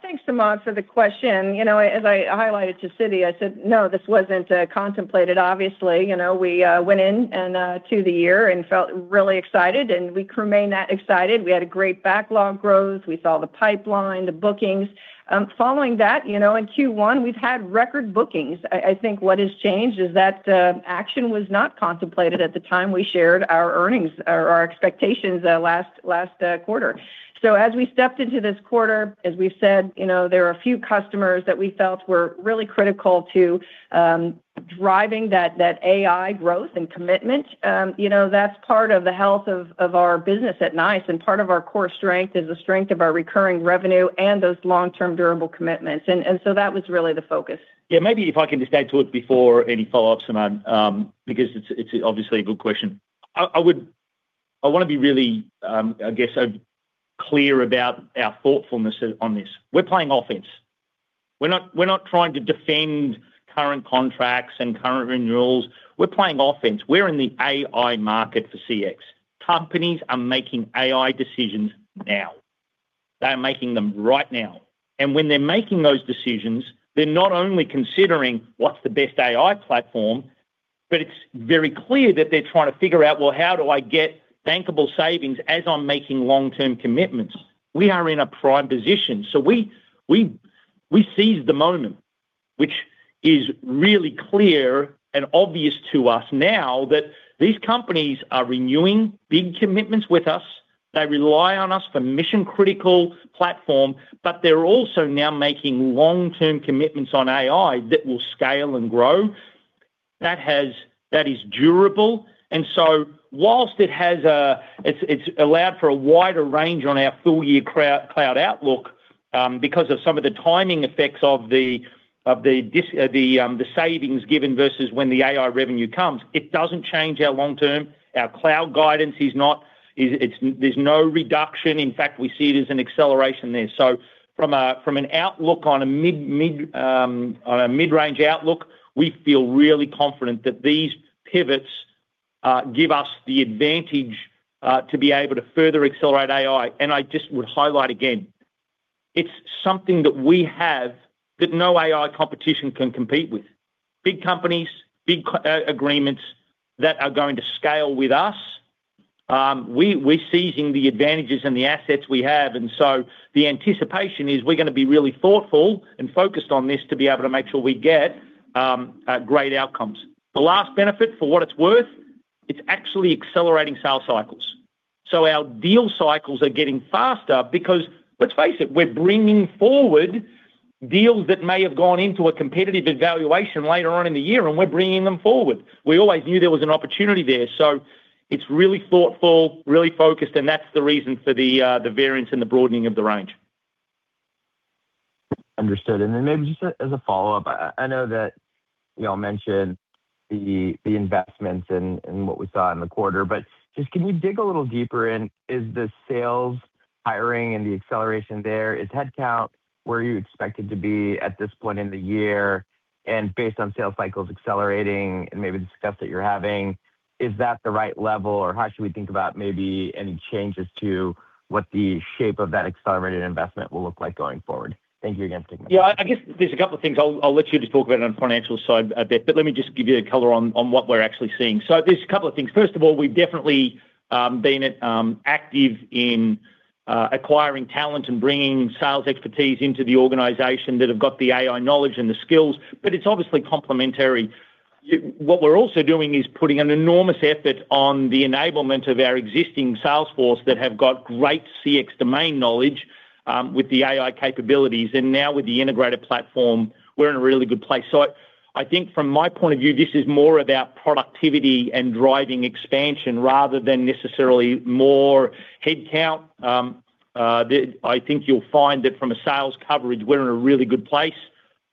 Thanks, Samad, for the question. You know, as I highlighted to Siti, I said, no, this wasn't contemplated obviously. You know, we went in and to the year and felt really excited, and we remain that excited. We had a great backlog growth. We saw the pipeline, the bookings. Following that, you know, in Q1, we've had record bookings. I think what has changed is that the action was not contemplated at the time we shared our earnings or our expectations last quarter. As we stepped into this quarter, as we've said, you know, there are a few customers that we felt were really critical to driving that AI growth and commitment. you know, that's part of the health of our business at NICE, and part of our core strength is the strength of our recurring revenue and those long-term durable commitments. That was really the focus. Maybe if I can just add to it before any follow-ups, Samad, because it's obviously a good question. I want to be really, I guess, clear about our thoughtfulness on this. We're playing offense. We're not trying to defend current contracts and current renewals. We're playing offense. We're in the AI market for CX. Companies are making AI decisions now. They're making them right now. When they're making those decisions, they're not only considering what's the best AI platform, but it's very clear that they're trying to figure out, well, how do I get bankable savings as I'm making long-term commitments? We are in a prime position. We seize the moment, which is really clear and obvious to us now that these companies are renewing big commitments with us. They rely on us for mission-critical platform, but they're also now making long-term commitments on AI that will scale and grow. That is durable. Whilst it has allowed for a wider range on our full-year cloud outlook, because of some of the timing effects of the savings given versus when the AI revenue comes. It doesn't change our long term. Our cloud guidance is not, there's no reduction. In fact, we see it as an acceleration there. From a, from an outlook on a mid-range outlook, we feel really confident that these pivots give us the advantage to be able to further accelerate AI. I just would highlight again, it's something that we have that no AI competition can compete with. Big companies, big agreements that are going to scale with us. We, we're seizing the advantages and the assets we have. The anticipation is we're gonna be really thoughtful and focused on this to be able to make sure we get great outcomes. The last benefit, for what it's worth, it's actually accelerating sales cycles. Our deal cycles are getting faster because let's face it, we're bringing forward deals that may have gone into a competitive evaluation later on in the year, and we're bringing them forward. We always knew there was an opportunity there. It's really thoughtful, really focused, and that's the reason for the variance and the broadening of the range. Understood. Then maybe just as a follow-up. I know that y'all mentioned the investments and what we saw in the quarter. Just can you dig a little deeper is the sales hiring and the acceleration there? Is headcount where you expect it to be at this point in the year? Based on sales cycles accelerating and maybe the discuss that you're having, is that the right level, or how should we think about maybe any changes to what the shape of that accelerated investment will look like going forward? Thank you again. Yeah, I guess there's a couple of things. I'll let you just talk about it on financial side a bit, but let me just give you a color on what we're actually seeing. There's a couple of things. First of all, we've definitely been active in acquiring talent and bringing sales expertise into the organization that have got the AI knowledge and the skills, but it's obviously complementary. What we're also doing is putting an enormous effort on the enablement of our existing sales force that have got great CX domain knowledge with the AI capabilities. Now with the integrated platform, we're in a really good place. I think from my point of view, this is more about productivity and driving expansion rather than necessarily more headcount. I think you'll find that from a sales coverage, we're in a really good place.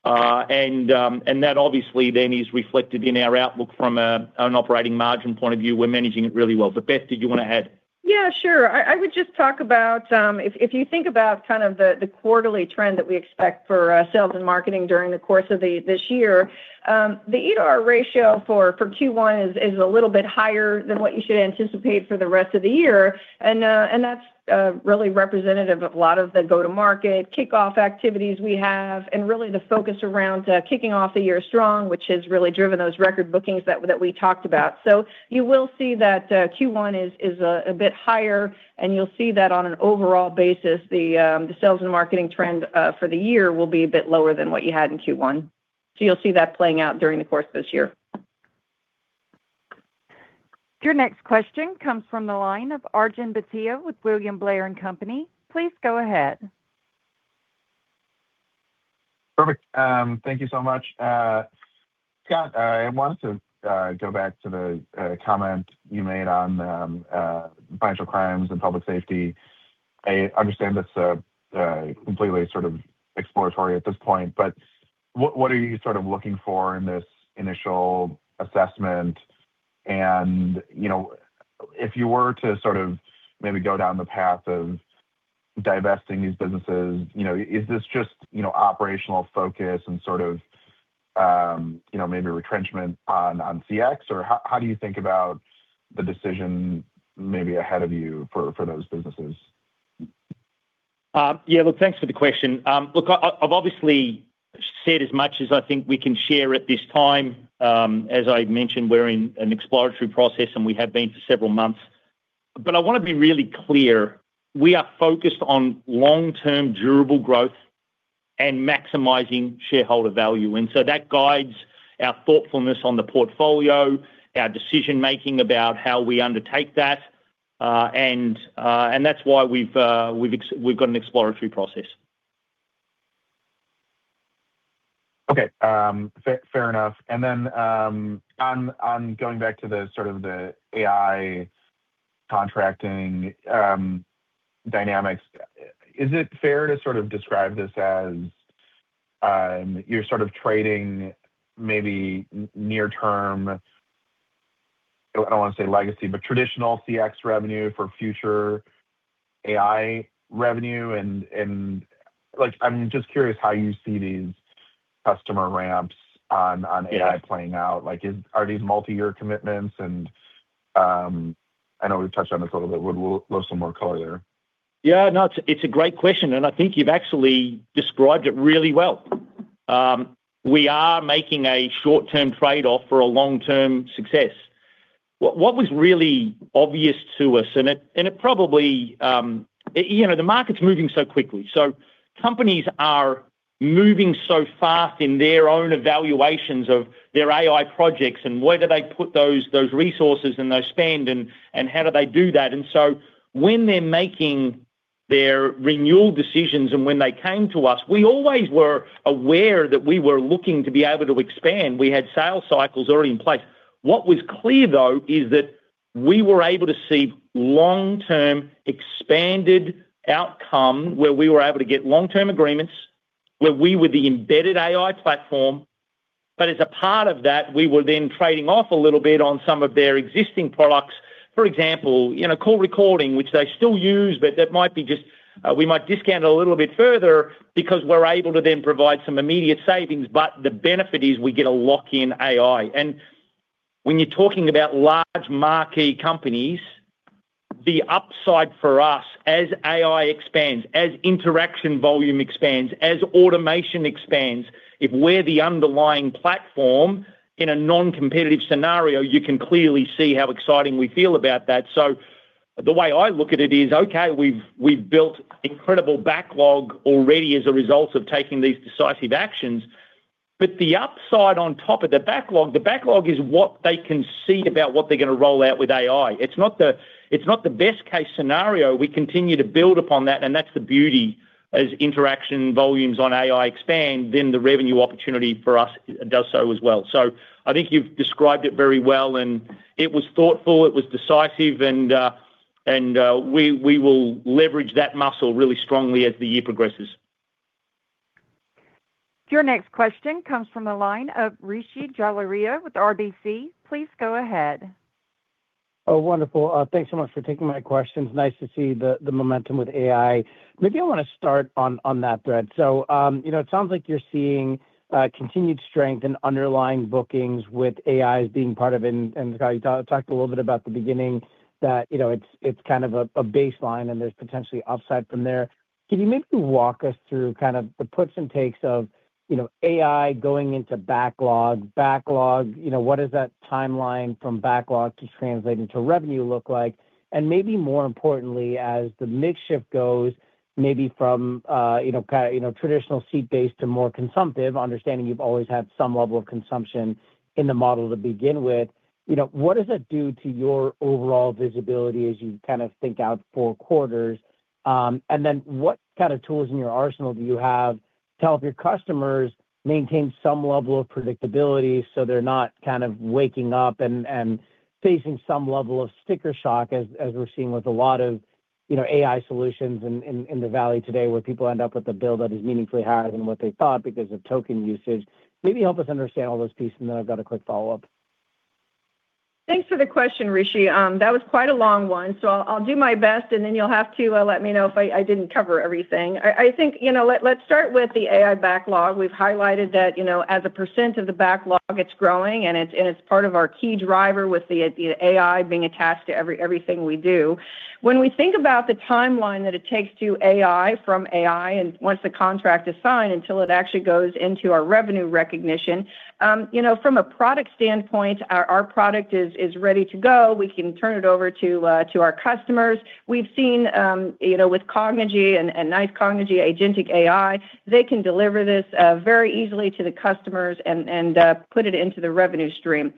That obviously then is reflected in our outlook from an operating margin point of view. We're managing it really well. Beth, did you wanna add? Yeah, sure. I would just talk about if you think about the quarterly trend that we expect for sales and marketing during the course of this year, the ETR ratio for Q1 is a little bit higher than what you should anticipate for the rest of the year. That's really representative of a lot of the go-to-market kickoff activities we have and really the focus around kicking off a year strong, which has really driven those record bookings that we talked about. You will see that Q1 is a bit higher, and you'll see that on an overall basis, the sales and marketing trend for the year will be a bit lower than what you had in Q1. You'll see that playing out during the course of this year. Your next question comes from the line of Arjun Bhatia with William Blair & Co. Please go ahead. Perfect. Thank you so much. Scott, I wanted to go back to the comment you made on financial crimes and public safety. I understand this completely sort of exploratory at this point, but what are you sort of looking for in this initial assessment? You know, if you were to sort of maybe go down the path of divesting these businesses, you know, is this just, you know, operational focus and sort of, you know, maybe retrenchment on CX? Or how do you think about the decision maybe ahead of you for those businesses? Thanks for the question. I've obviously said as much as I think we can share at this time. As I've mentioned, we're in an exploratory process, and we have been for several months. I want to be really clear, we are focused on long-term durable growth and maximizing shareholder value. So that guides our thoughtfulness on the portfolio, our decision-making about how we undertake that, and that's why we've got an exploratory process. Okay, fair enough. Going back to the sort of the AI contracting dynamics, is it fair to sort of describe this as you're sort of trading maybe near term, I don't want to say legacy, but traditional CX revenue for future AI revenue, and like, I'm just curious how you see these customer ramps on AI playing out. Like, are these multi-year commitments? I know we've touched on this a little bit. Love some more color there. Yeah, no, it's a great question, and I think you've actually described it really well. We are making a short-term trade-off for a long-term success. What was really obvious to us, and it probably, you know, the market's moving so quickly. Companies are moving so fast in their own evaluations of their AI projects, and where do they put those resources and those spend and how do they do that? When they're making their renewal decisions and when they came to us, we always were aware that we were looking to be able to expand. We had sales cycles already in place. What was clear though is that we were able to see long-term expanded outcome where we were able to get long-term agreements where we were the embedded AI platform. As a part of that, we were then trading off a little bit on some of their existing products. For example, you know, call recording, which they still use, but that might be just, we might discount it a little bit further because we're able to then provide some immediate savings. The benefit is we get a lock-in AI. When you're talking about large marquee companies, the upside for us as AI expands, as interaction volume expands, as automation expands, if we're the underlying platform in a non-competitive scenario, you can clearly see how exciting we feel about that. The way I look at it is, okay, we've built incredible backlog already as a result of taking these decisive actions. The upside on top of the backlog, the backlog is what they concede about what they're gonna roll out with AI. It's not the best case scenario. We continue to build upon that. That's the beauty as interaction volumes on AI expand, then the revenue opportunity for us does so as well. I think you've described it very well. It was thoughtful, it was decisive, and we will leverage that muscle really strongly as the year progresses. Your next question comes from the line of Rishi Jaluria with RBC. Please go ahead. Wonderful. Thanks so much for taking my questions. Nice to see the momentum with AI. Maybe I wanna start on that thread. It sounds like you're seeing, you know, continued strength in underlying bookings with AI as being part of it. Scott, you talked a little bit about the beginning that, you know, it's kind of a baseline and there's potentially upside from there. Can you maybe walk us through kind of the puts and takes of, you know, AI going into backlog? Backlog, what does that timeline from backlog to translating to revenue look like? Maybe more importantly, as the mix shift goes, maybe from, you know, traditional seat-based to more consumptive, understanding you've always had some level of consumption in the model to begin with, you know, what does that do to your overall visibility as you kind of think out four quarters? What kind of tools in your arsenal do you have to help your customers maintain some level of predictability so they're not kind of waking up and facing some level of sticker shock as we're seeing with a lot of, you know, AI solutions in the Valley today, where people end up with a bill that is meaningfully higher than what they thought because of token usage? Maybe help us understand all those pieces, and then I've got a quick follow-up. Thanks for the question, Rishi. That was quite a long one, so I'll do my best, and then you'll have to let me know if I didn't cover everything. I think, you know, let's start with the AI backlog. We've highlighted that, you know, as a percent of the backlog, it's growing, and it's part of our key driver with the, you know, AI being attached to everything we do. When we think about the timeline that it takes to AI from AI, and once the contract is signed, until it actually goes into our revenue recognition, you know, from a product standpoint, our product is ready to go. We can turn it over to our customers. We've seen, you know, with Cognigy and NICE Cognigy Agentic AI, they can deliver this very easily to the customers and put it into the revenue stream.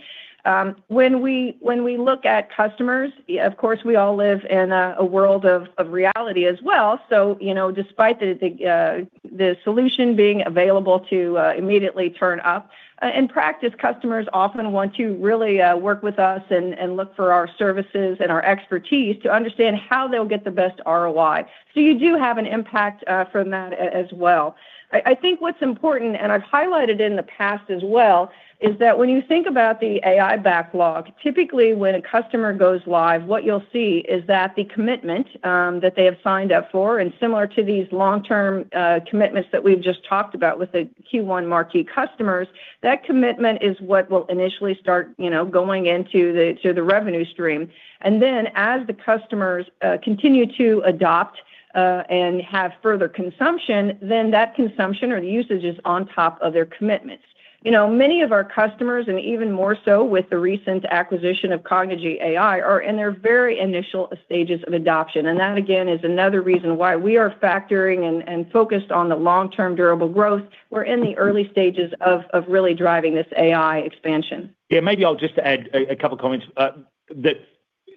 When we look at customers, of course, we all live in a world of reality as well. You know, despite the solution being available to immediately turn up in practice, customers often want to really work with us and look for our services and our expertise to understand how they'll get the best ROI. You do have an impact from that as well. I think what's important, and I've highlighted in the past as well, is that when you think about the AI backlog, typically when a customer goes live, what you'll see is that the commitment that they have signed up for, and similar to these long-term commitments that we've just talked about with the Q1 marquee customers, that commitment is what will initially start, you know, going into the revenue stream. As the customers continue to adopt and have further consumption, then that consumption or the usage is on top of their commitments. You know, many of our customers, and even more so with the recent acquisition of Cognigy AI, are in their very initial stages of adoption. That, again, is another reason why we are factoring and focused on the long-term durable growth. We're in the early stages of really driving this AI expansion. Yeah. Maybe I'll just add a couple comments. That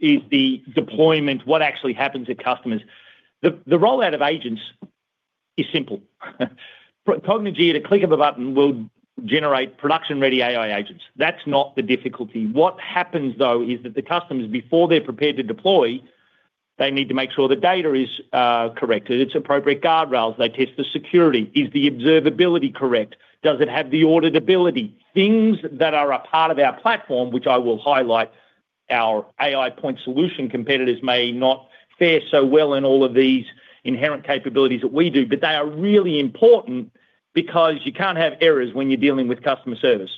is the deployment, what actually happens at customers. The rollout of agents is simple. For Cognigy at a click of a button will generate production-ready AI agents. That's not the difficulty. What happens, though, is that the customers, before they're prepared to deploy, they need to make sure the data is correct, that it's appropriate guardrails. They test the security. Is the observability correct? Does it have the auditability? Things that are a part of our platform, which I will highlight our AI point solution competitors may not fare so well in all of these inherent capabilities that we do. They are really important because you can't have errors when you're dealing with customer service.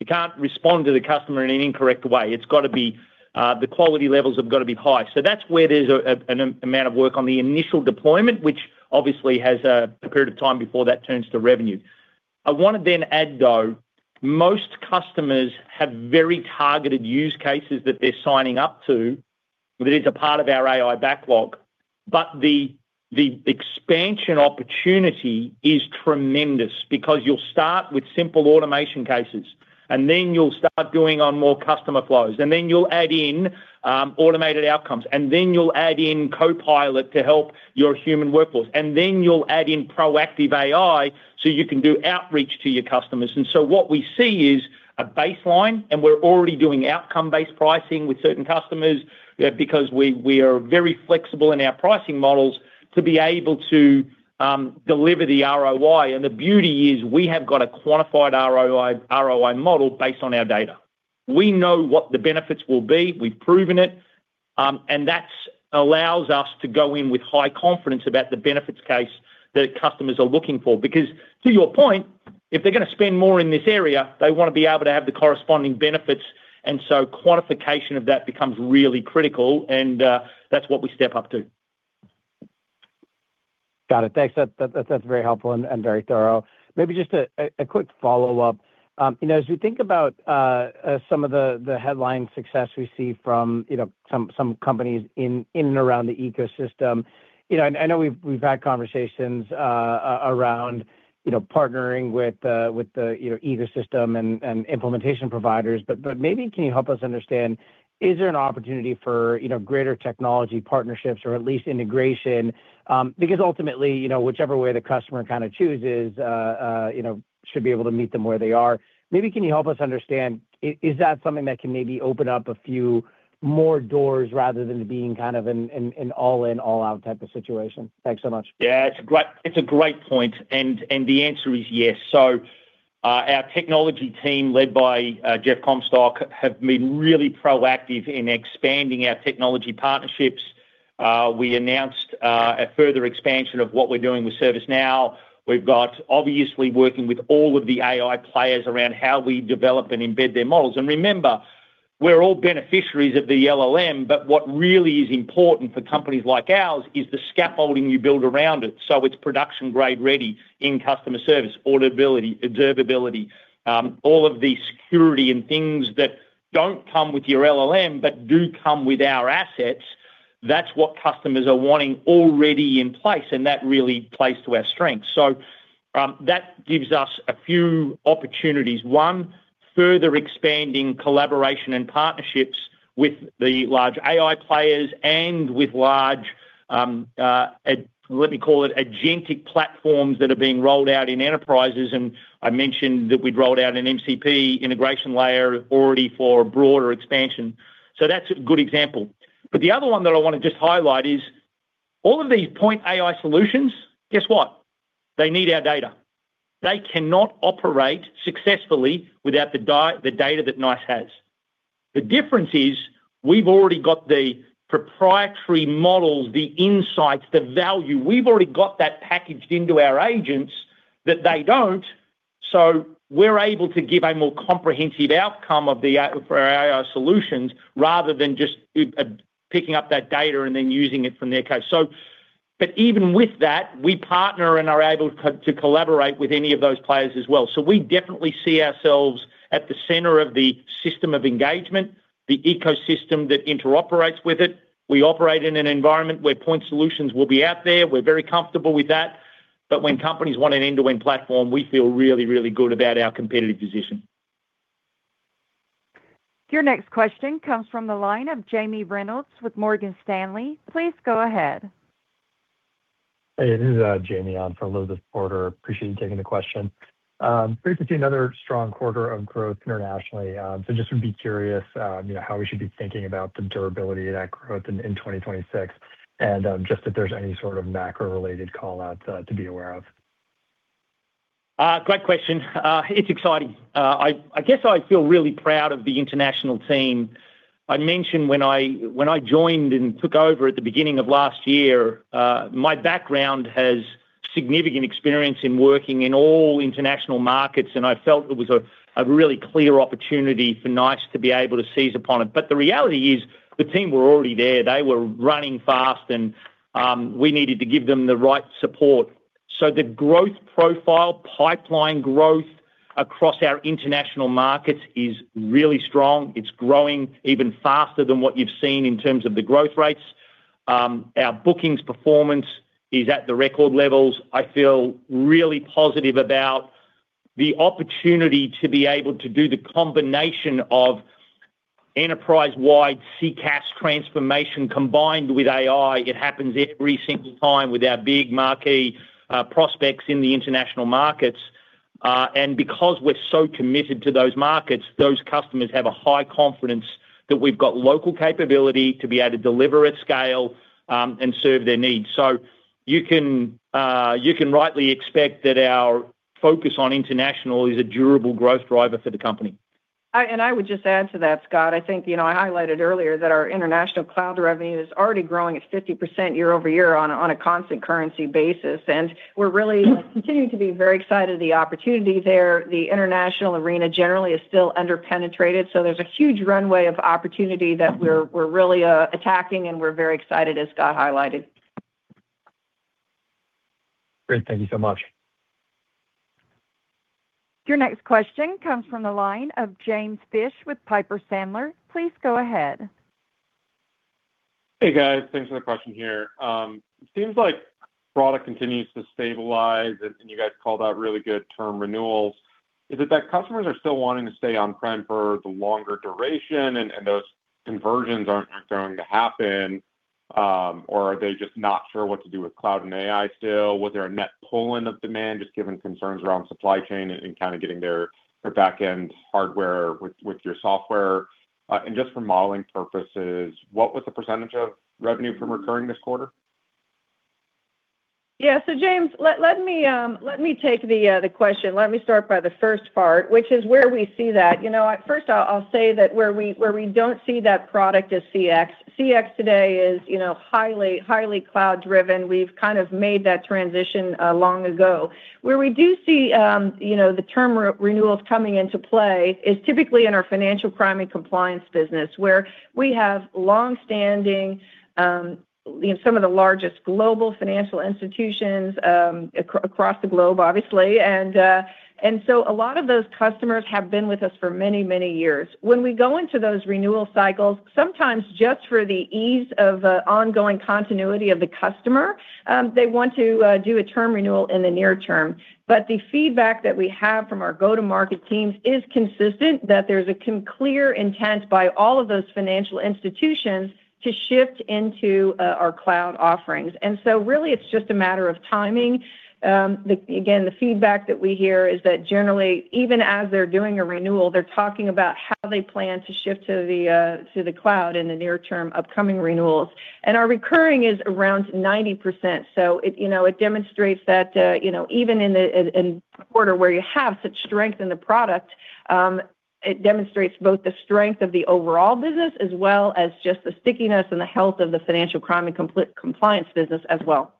You can't respond to the customer in an incorrect way. It's gotta be, the quality levels have got to be high. That's where there's an amount of work on the initial deployment, which obviously has a period of time before that turns to revenue. I want to then add, though, most customers have very targeted use cases that they're signing up to, that is a part of our AI backlog. The expansion opportunity is tremendous because you'll start with simple automation cases, and then you'll start going on more customer flows, and then you'll add in automated outcomes, and then you'll add in copilot to help your human workforce, and then you'll add in proactive AI, so you can do outreach to your customers. What we see is a baseline, and we're already doing outcome-based pricing with certain customers because we are very flexible in our pricing models to be able to deliver the ROI. The beauty is we have got a quantified ROI model based on our data. We know what the benefits will be. We've proven it. That's allows us to go in with high confidence about the benefits case that customers are looking for. To your point, if they're gonna spend more in this area, they wanna be able to have the corresponding benefits. Quantification of that becomes really critical. That's what we step up to. Got it. Thanks. That's very helpful and very thorough. Maybe just a quick follow-up. you know, as we think about some of the headline success we see from, you know, some companies in and around the ecosystem, you know, and I know we've had conversations around, you know, partnering with, you know, ecosystem and implementation providers, but maybe can you help us understand, is there an opportunity for, you know, greater technology partnerships or at least integration? Ultimately, you know, whichever way the customer kinda chooses, you know, should be able to meet them where they are. Maybe can you help us understand, is that something that can maybe open up a few more doors rather than being kind of an all-in, all-out type of situation? Thanks so much. Yeah, it's a great point, and the answer is yes. Our technology team, led by Jeff Comstock, have been really proactive in expanding our technology partnerships. We announced a further expansion of what we're doing with ServiceNow. We've got obviously working with all of the AI players around how we develop and embed their models. Remember, we're all beneficiaries of the LLM, but what really is important for companies like ours is the scaffolding you build around it. It's production-grade ready in customer service, auditability, observability, all of the security and things that don't come with your LLM but do come with our assets. That's what customers are wanting already in place, and that really plays to our strength. That gives us a few opportunities. One, further expanding collaboration and partnerships with the large AI players and with large, let me call it agentic platforms that are being rolled out in enterprises, and I mentioned that we'd rolled out an MCP integration layer already for broader expansion. That's a good example. The other one that I wanna just highlight is all of these point AI solutions, guess what? They need our data. They cannot operate successfully without the data that NICE has. The difference is we've already got the proprietary models, the insights, the value. We've already got that packaged into our agents that they don't. We're able to give a more comprehensive outcome for our AI solutions rather than just picking up that data and then using it from their case. Even with that, we partner and are able to collaborate with any of those players as well. We definitely see ourselves at the center of the system of engagement, the ecosystem that interoperates with it. We operate in an environment where point solutions will be out there. We're very comfortable with that. When companies want an end-to-end platform, we feel really, really good about our competitive position. Your next question comes from the line of Jamie Reynolds with Morgan Stanley. Please go ahead. Hey, this is Jamie Reynolds on for Elizabeth Porter. Appreciate you taking the question. Basically another strong quarter of growth internationally. Just would be curious, you know, how we should be thinking about the durability of that growth in 2026 and just if there's any sort of macro-related call-outs to be aware of. Great question. It's exciting. I guess I feel really proud of the international team. I mentioned when I joined and took over at the beginning of last year, my background has significant experience in working in all international markets, and I felt it was a really clear opportunity for NICE to be able to seize upon it. The reality is the team were already there. They were running fast, and we needed to give them the right support. The growth profile, pipeline growth across our international markets is really strong. It's growing even faster than what you've seen in terms of the growth rates. Our bookings performance is at the record levels. I feel really positive about the opportunity to be able to do the combination of Enterprise-wide CCaaS transformation combined with AI. It happens every single time with our big marquee prospects in the international markets. Because we're so committed to those markets, those customers have a high confidence that we've got local capability to be able to deliver at scale and serve their needs. You can rightly expect that our focus on international is a durable growth driver for the company. I would just add to that, Scott. I think, you know, I highlighted earlier that our international cloud revenue is already growing at 50% year-over-year on a constant currency basis. We're really continuing to be very excited of the opportunity there. The international arena generally is still under-penetrated, so there's a huge runway of opportunity that we're really attacking, and we're very excited, as Scott highlighted. Great. Thank you so much. Your next question comes from the line of James Fish with Piper Sandler. Please go ahead. Hey, guys. Thanks for the question here. Seems like product continues to stabilize, and you guys called out really good term renewals. Is it that customers are still wanting to stay on-prem for the longer duration and those conversions aren't going to happen, or are they just not sure what to do with cloud and AI still? Was there a net pull in of demand, just given concerns around supply chain and kind of getting their back-end hardware with your software? Just for modeling purposes, what was the percentage of revenue from recurring this quarter? Yeah. So James, let me take the question. Let me start by the first part, which is where we see that. You know, at first I'll say that where we don't see that product is CX. CX today is, you know, highly cloud driven. We've kind of made that transition long ago. Where we do see, you know, the term re-renewals coming into play is typically in our financial crime and compliance business, where we have long-standing, you know, some of the largest global financial institutions across the globe, obviously. A lot of those customers have been with us for many, many years. When we go into those renewal cycles, sometimes just for the ease of ongoing continuity of the customer, they want to do a term renewal in the near term. The feedback that we have from our go-to-market teams is consistent that there's a clear intent by all of those financial institutions to shift into our cloud offerings. Really it's just a matter of timing. Again, the feedback that we hear is that generally, even as they're doing a renewal, they're talking about how they plan to shift to the cloud in the near term upcoming renewals. Our recurring is around 90%. It, you know, it demonstrates that, you know, even in the, in a quarter where you have such strength in the product, it demonstrates both the strength of the overall business as well as just the stickiness and the health of the financial crime and compliance business as well.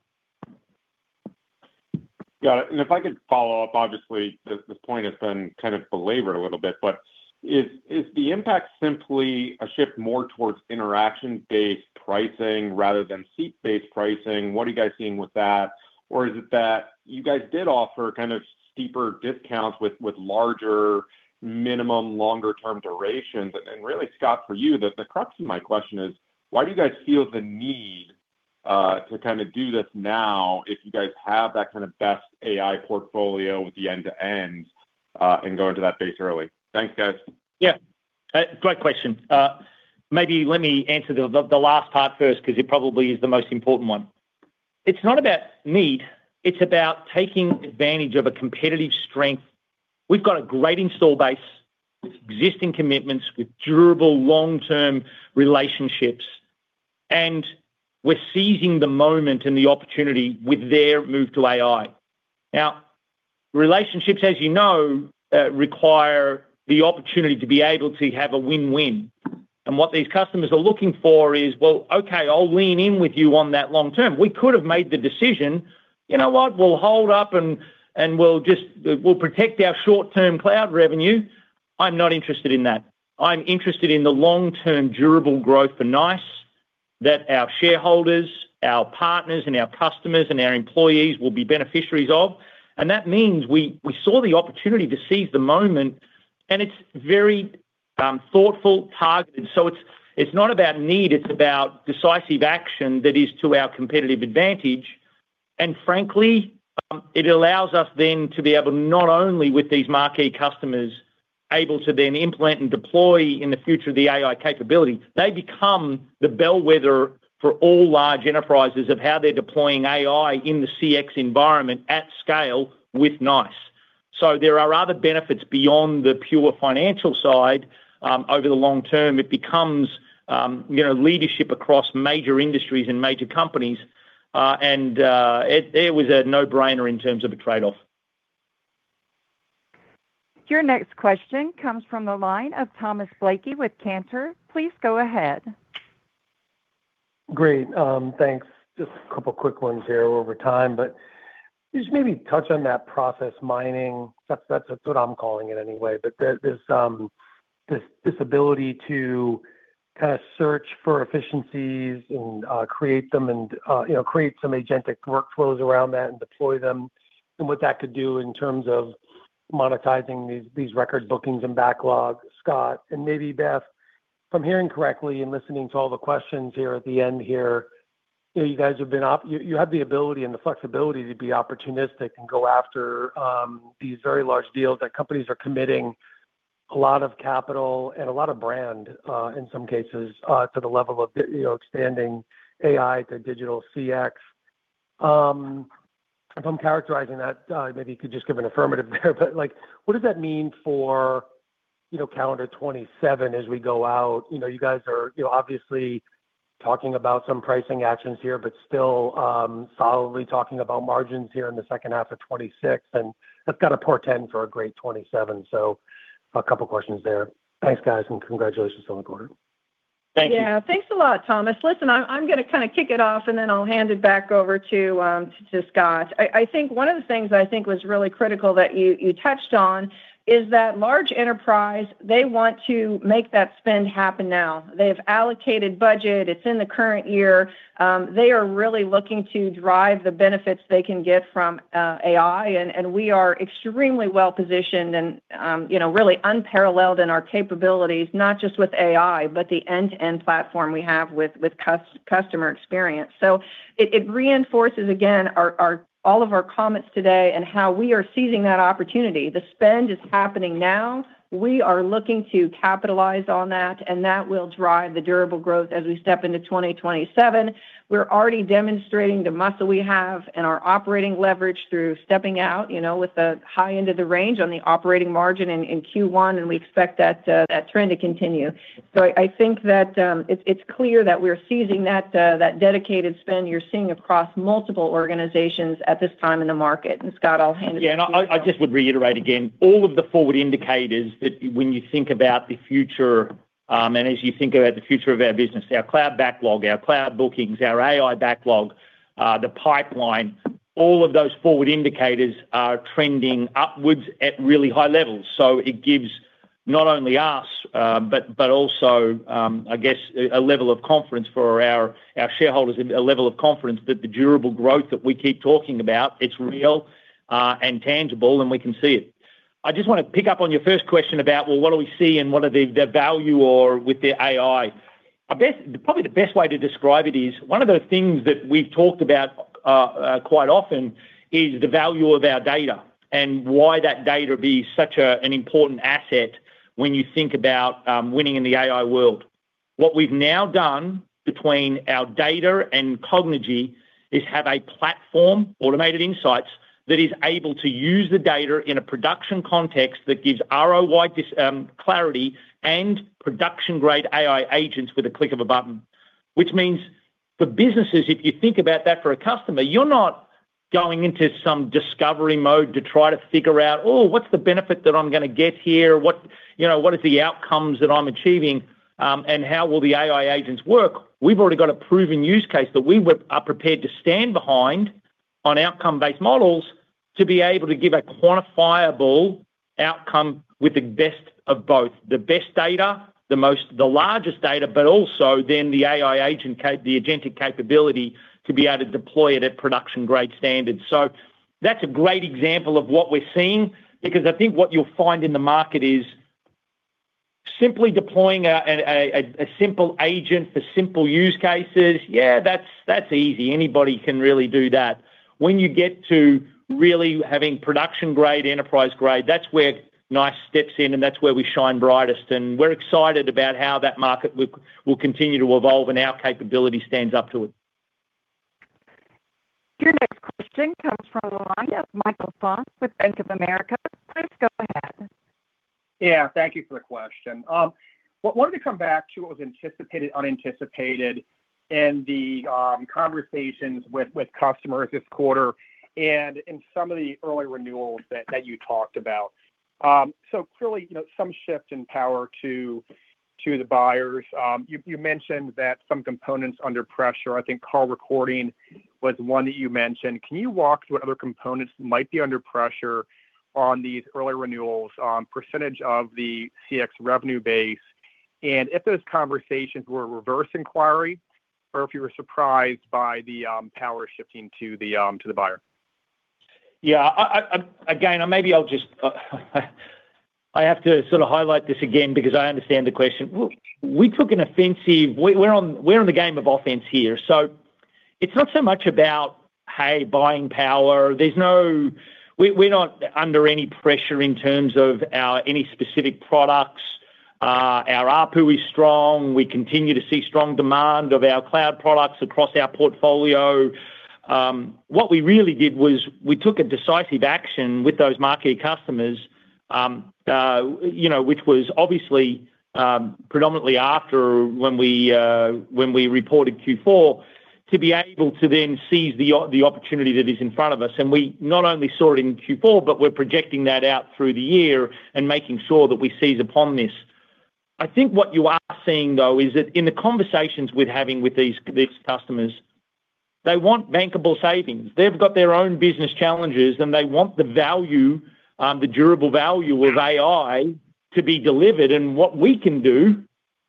Got it. If I could follow up, obviously this point has been kind of belabored a little bit. Is the impact simply a shift more towards interaction-based pricing rather than seat-based pricing? What are you guys seeing with that? Is it that you guys did offer kind of steeper discounts with larger minimum longer term durations? Really, Scott, for you, the crux of my question is, why do you guys feel the need to kind of do this now if you guys have that kind of best AI portfolio with the end-to-end and go into that base early? Thanks, guys. Yeah. Great question. Maybe let me answer the last part first 'cause it probably is the most important one. It's not about need, it's about taking advantage of a competitive strength. We've got a great install base with existing commitments, with durable long-term relationships, and we're seizing the moment and the opportunity with their move to AI. Relationships, as you know, require the opportunity to be able to have a win-win. What these customers are looking for is, well, okay, I'll lean in with you on that long term. We could have made the decision, you know what? We'll hold up and we'll protect our short-term cloud revenue. I'm not interested in that. I'm interested in the long-term durable growth for NICE that our shareholders, our partners, and our customers, and our employees will be beneficiaries of. That means we saw the opportunity to seize the moment, it's very thoughtful, targeted. It's not about need, it's about decisive action that is to our competitive advantage. Frankly, it allows us then to be able to not only with these marquee customers able to then implement and deploy in the future the AI capability, they become the bellwether for all large enterprises of how they're deploying AI in the CX environment at scale with NICE. There are other benefits beyond the pure financial side. Over the long term, it becomes, you know, leadership across major industries and major companies. It was a no-brainer in terms of a trade-off. Your next question comes from the line of Thomas Blakey with Cantor. Please go ahead. Great. Thanks. Just a couple quick ones here over time. Just maybe touch on that process mining. That's what I'm calling it anyway. There's this ability to kind of search for efficiencies and create them and, you know, create some agentic workflows around that and deploy them, and what that could do in terms of monetizing these record bookings and backlog, Scott. Maybe Beth, if I'm hearing correctly in listening to all the questions here at the end here. You guys have been you have the ability and the flexibility to be opportunistic and go after these very large deals that companies are committing a lot of capital and a lot of brand, in some cases, to the level of the, you know, expanding AI to digital CX. If I'm characterizing that, maybe you could just give an affirmative there. Like, what does that mean for, you know, calendar 2027 as we go out? You know, you guys are, you know, obviously talking about some pricing actions here, still solidly talking about margins here in the second half of 2026, and that's got to portend for a great 2027. A couple questions there. Thanks, guys, and congratulations on the quarter. Thank you. Yeah. Thanks a lot, Thomas. I'm gonna kinda kick it off, and then I'll hand it back over to Scott. I think one of the things that I think was really critical that you touched on is that large enterprise, they want to make that spend happen now. They've allocated budget. It's in the current year. They are really looking to drive the benefits they can get from AI, and we are extremely well-positioned and, you know, really unparalleled in our capabilities, not just with AI, but the end-to-end platform we have with customer experience. It reinforces, again, our, all of our comments today and how we are seizing that opportunity. The spend is happening now. We are looking to capitalize on that, and that will drive the durable growth as we step into 2027. We're already demonstrating the muscle we have and our operating leverage through stepping out, you know, with the high end of the range on the operating margin in Q1, and we expect that trend to continue. I think that it's clear that we're seizing that dedicated spend you're seeing across multiple organizations at this time in the market. Scott, I'll hand it to you. Yeah. No, I just would reiterate again, all of the forward indicators that when you think about the future, and as you think about the future of our business, our cloud backlog, our cloud bookings, our AI backlog, the pipeline, all of those forward indicators are trending upwards at really high levels. It gives not only us, but also, I guess a level of confidence for our shareholders and a level of confidence that the durable growth that we keep talking about, it's real, and tangible, and we can see it. I just wanna pick up on your first question about, well, what do we see and what are the value or with the AI. Probably the best way to describe it is one of the things that we've talked about quite often is the value of our data and why that data be such a, an important asset when you think about winning in the AI world. What we've now done between our data and Cognigy is have a platform, Automated Insights, that is able to use the data in a production context that gives ROI this clarity and production-grade AI agents with a click of a button, which means for businesses, if you think about that for a customer, you're not going into some discovery mode to try to figure out, oh, what's the benefit that I'm gonna get here? What, you know, what is the outcomes that I'm achieving, how will the AI agents work? We've already got a proven use case that we are prepared to stand behind on outcome-based models to be able to give a quantifiable outcome with the best of both, the best data, the most, the largest data, but also then the AI agentic capability to be able to deploy it at production-grade standards. That's a great example of what we're seeing because I think what you'll find in the market is simply deploying a simple agent for simple use cases, yeah, that's easy. Anybody can really do that. When you get to really having production-grade, enterprise-grade, that's where NICE steps in, and that's where we shine brightest. We're excited about how that market will continue to evolve, and our capability stands up to it. Your next question comes from the line of Michael Funk with Bank of America. Please go ahead. Thank you for the question. wanted to come back to what was anticipated, unanticipated in the conversations with customers this quarter and in some of the early renewals that you talked about. Clearly, you know, some shift in power to the buyers. You mentioned that some components under pressure. I think call recording was 1 that you mentioned. Can you walk through what other components might be under pressure on these early renewals on percentage of the CX revenue base, and if those conversations were a reverse inquiry, or if you were surprised by the power shifting to the buyer? Yeah. Again, maybe I'll just, I have to sort of highlight this again because I understand the question. We took an offensive. We're on the game of offense here. It's not so much about, hey, buying power. We're not under any pressure in terms of our, any specific products. Our ARPU is strong. We continue to see strong demand of our cloud products across our portfolio. What we really did was we took a decisive action with those marquee customers, you know, which was obviously predominantly after when we reported Q4 to be able to then seize the opportunity that is in front of us. We not only saw it in Q4, but we're projecting that out through the year and making sure that we seize upon this. I think what you are seeing, though, is that in the conversations we're having with these customers, they want bankable savings. They've got their own business challenges, and they want the value, the durable value of AI to be delivered. What we can do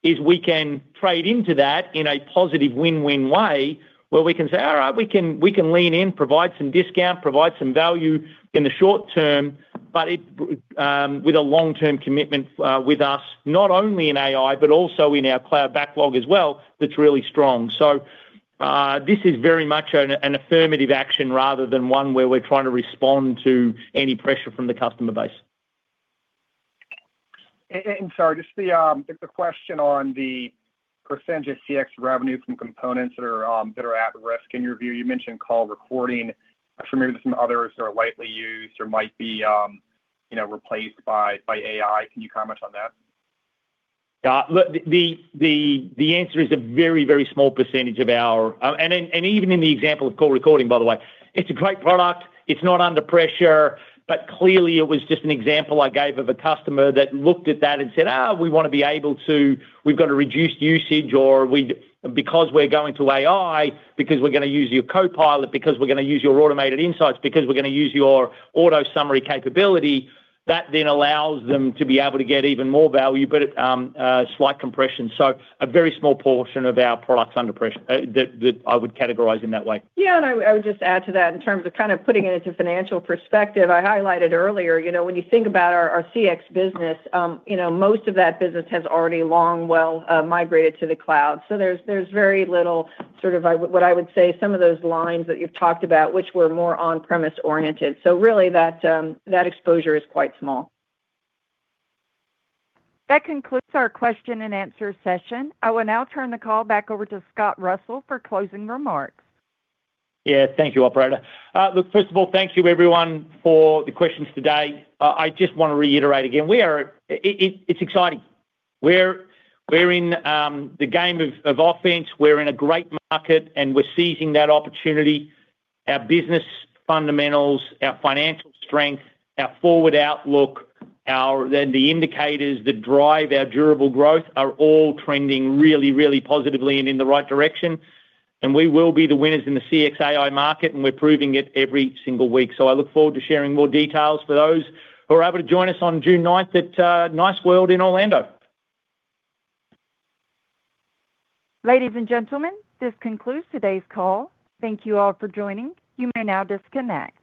is we can trade into that in a positive win-win way where we can say, "All right, we can lean in, provide some discount, provide some value in the short term," but it with a long-term commitment with us, not only in AI, but also in our cloud backlog as well, that's really strong. This is very much an affirmative action rather than one where we're trying to respond to any pressure from the customer base. Sorry, just the, just a question on the percentage of CX revenue from components that are at risk in your view. You mentioned call recording from maybe some others that are lightly used or might be, you know, replaced by AI. Can you comment on that? The answer is a very, very small percentage of our. Even in the example of call recording, by the way, it's a great product. It's not under pressure. Clearly it was just an example I gave of a customer that looked at that and said, "We've got a reduced usage," or because we're going to AI, because we're going to use your Enlighten Copilot, because we're going to use your Automated Insights, because we're going to use your Enlighten AutoSummary capability, that allows them to be able to get even more value, but at a slight compression. A very small portion of our products under pressure, that I would categorize in that way. I would just add to that in terms of putting it into financial perspective. I highlighted earlier, you know, when you think about our CX business, you know, most of that business has already long well migrated to the cloud. There's very little what I would say some of those lines that you've talked about which were more on-premise oriented. Really that exposure is quite small. That concludes our question and answer session. I will now turn the call back over to Scott Russell for closing remarks. Yeah. Thank you, operator. Look, first of all, thank you everyone for the questions today. I just wanna reiterate again, we are It's exciting. We're in the game of offense. We're in a great market, and we're seizing that opportunity. Our business fundamentals, our financial strength, our forward outlook, our indicators that drive our durable growth are all trending really, really positively and in the right direction, and we will be the winners in the CXAI market, and we're proving it every single week. I look forward to sharing more details for those who are able to join us on June 9th at NICE World in Orlando. Ladies and gentlemen, this concludes today's call. Thank you all for joining. You may now disconnect.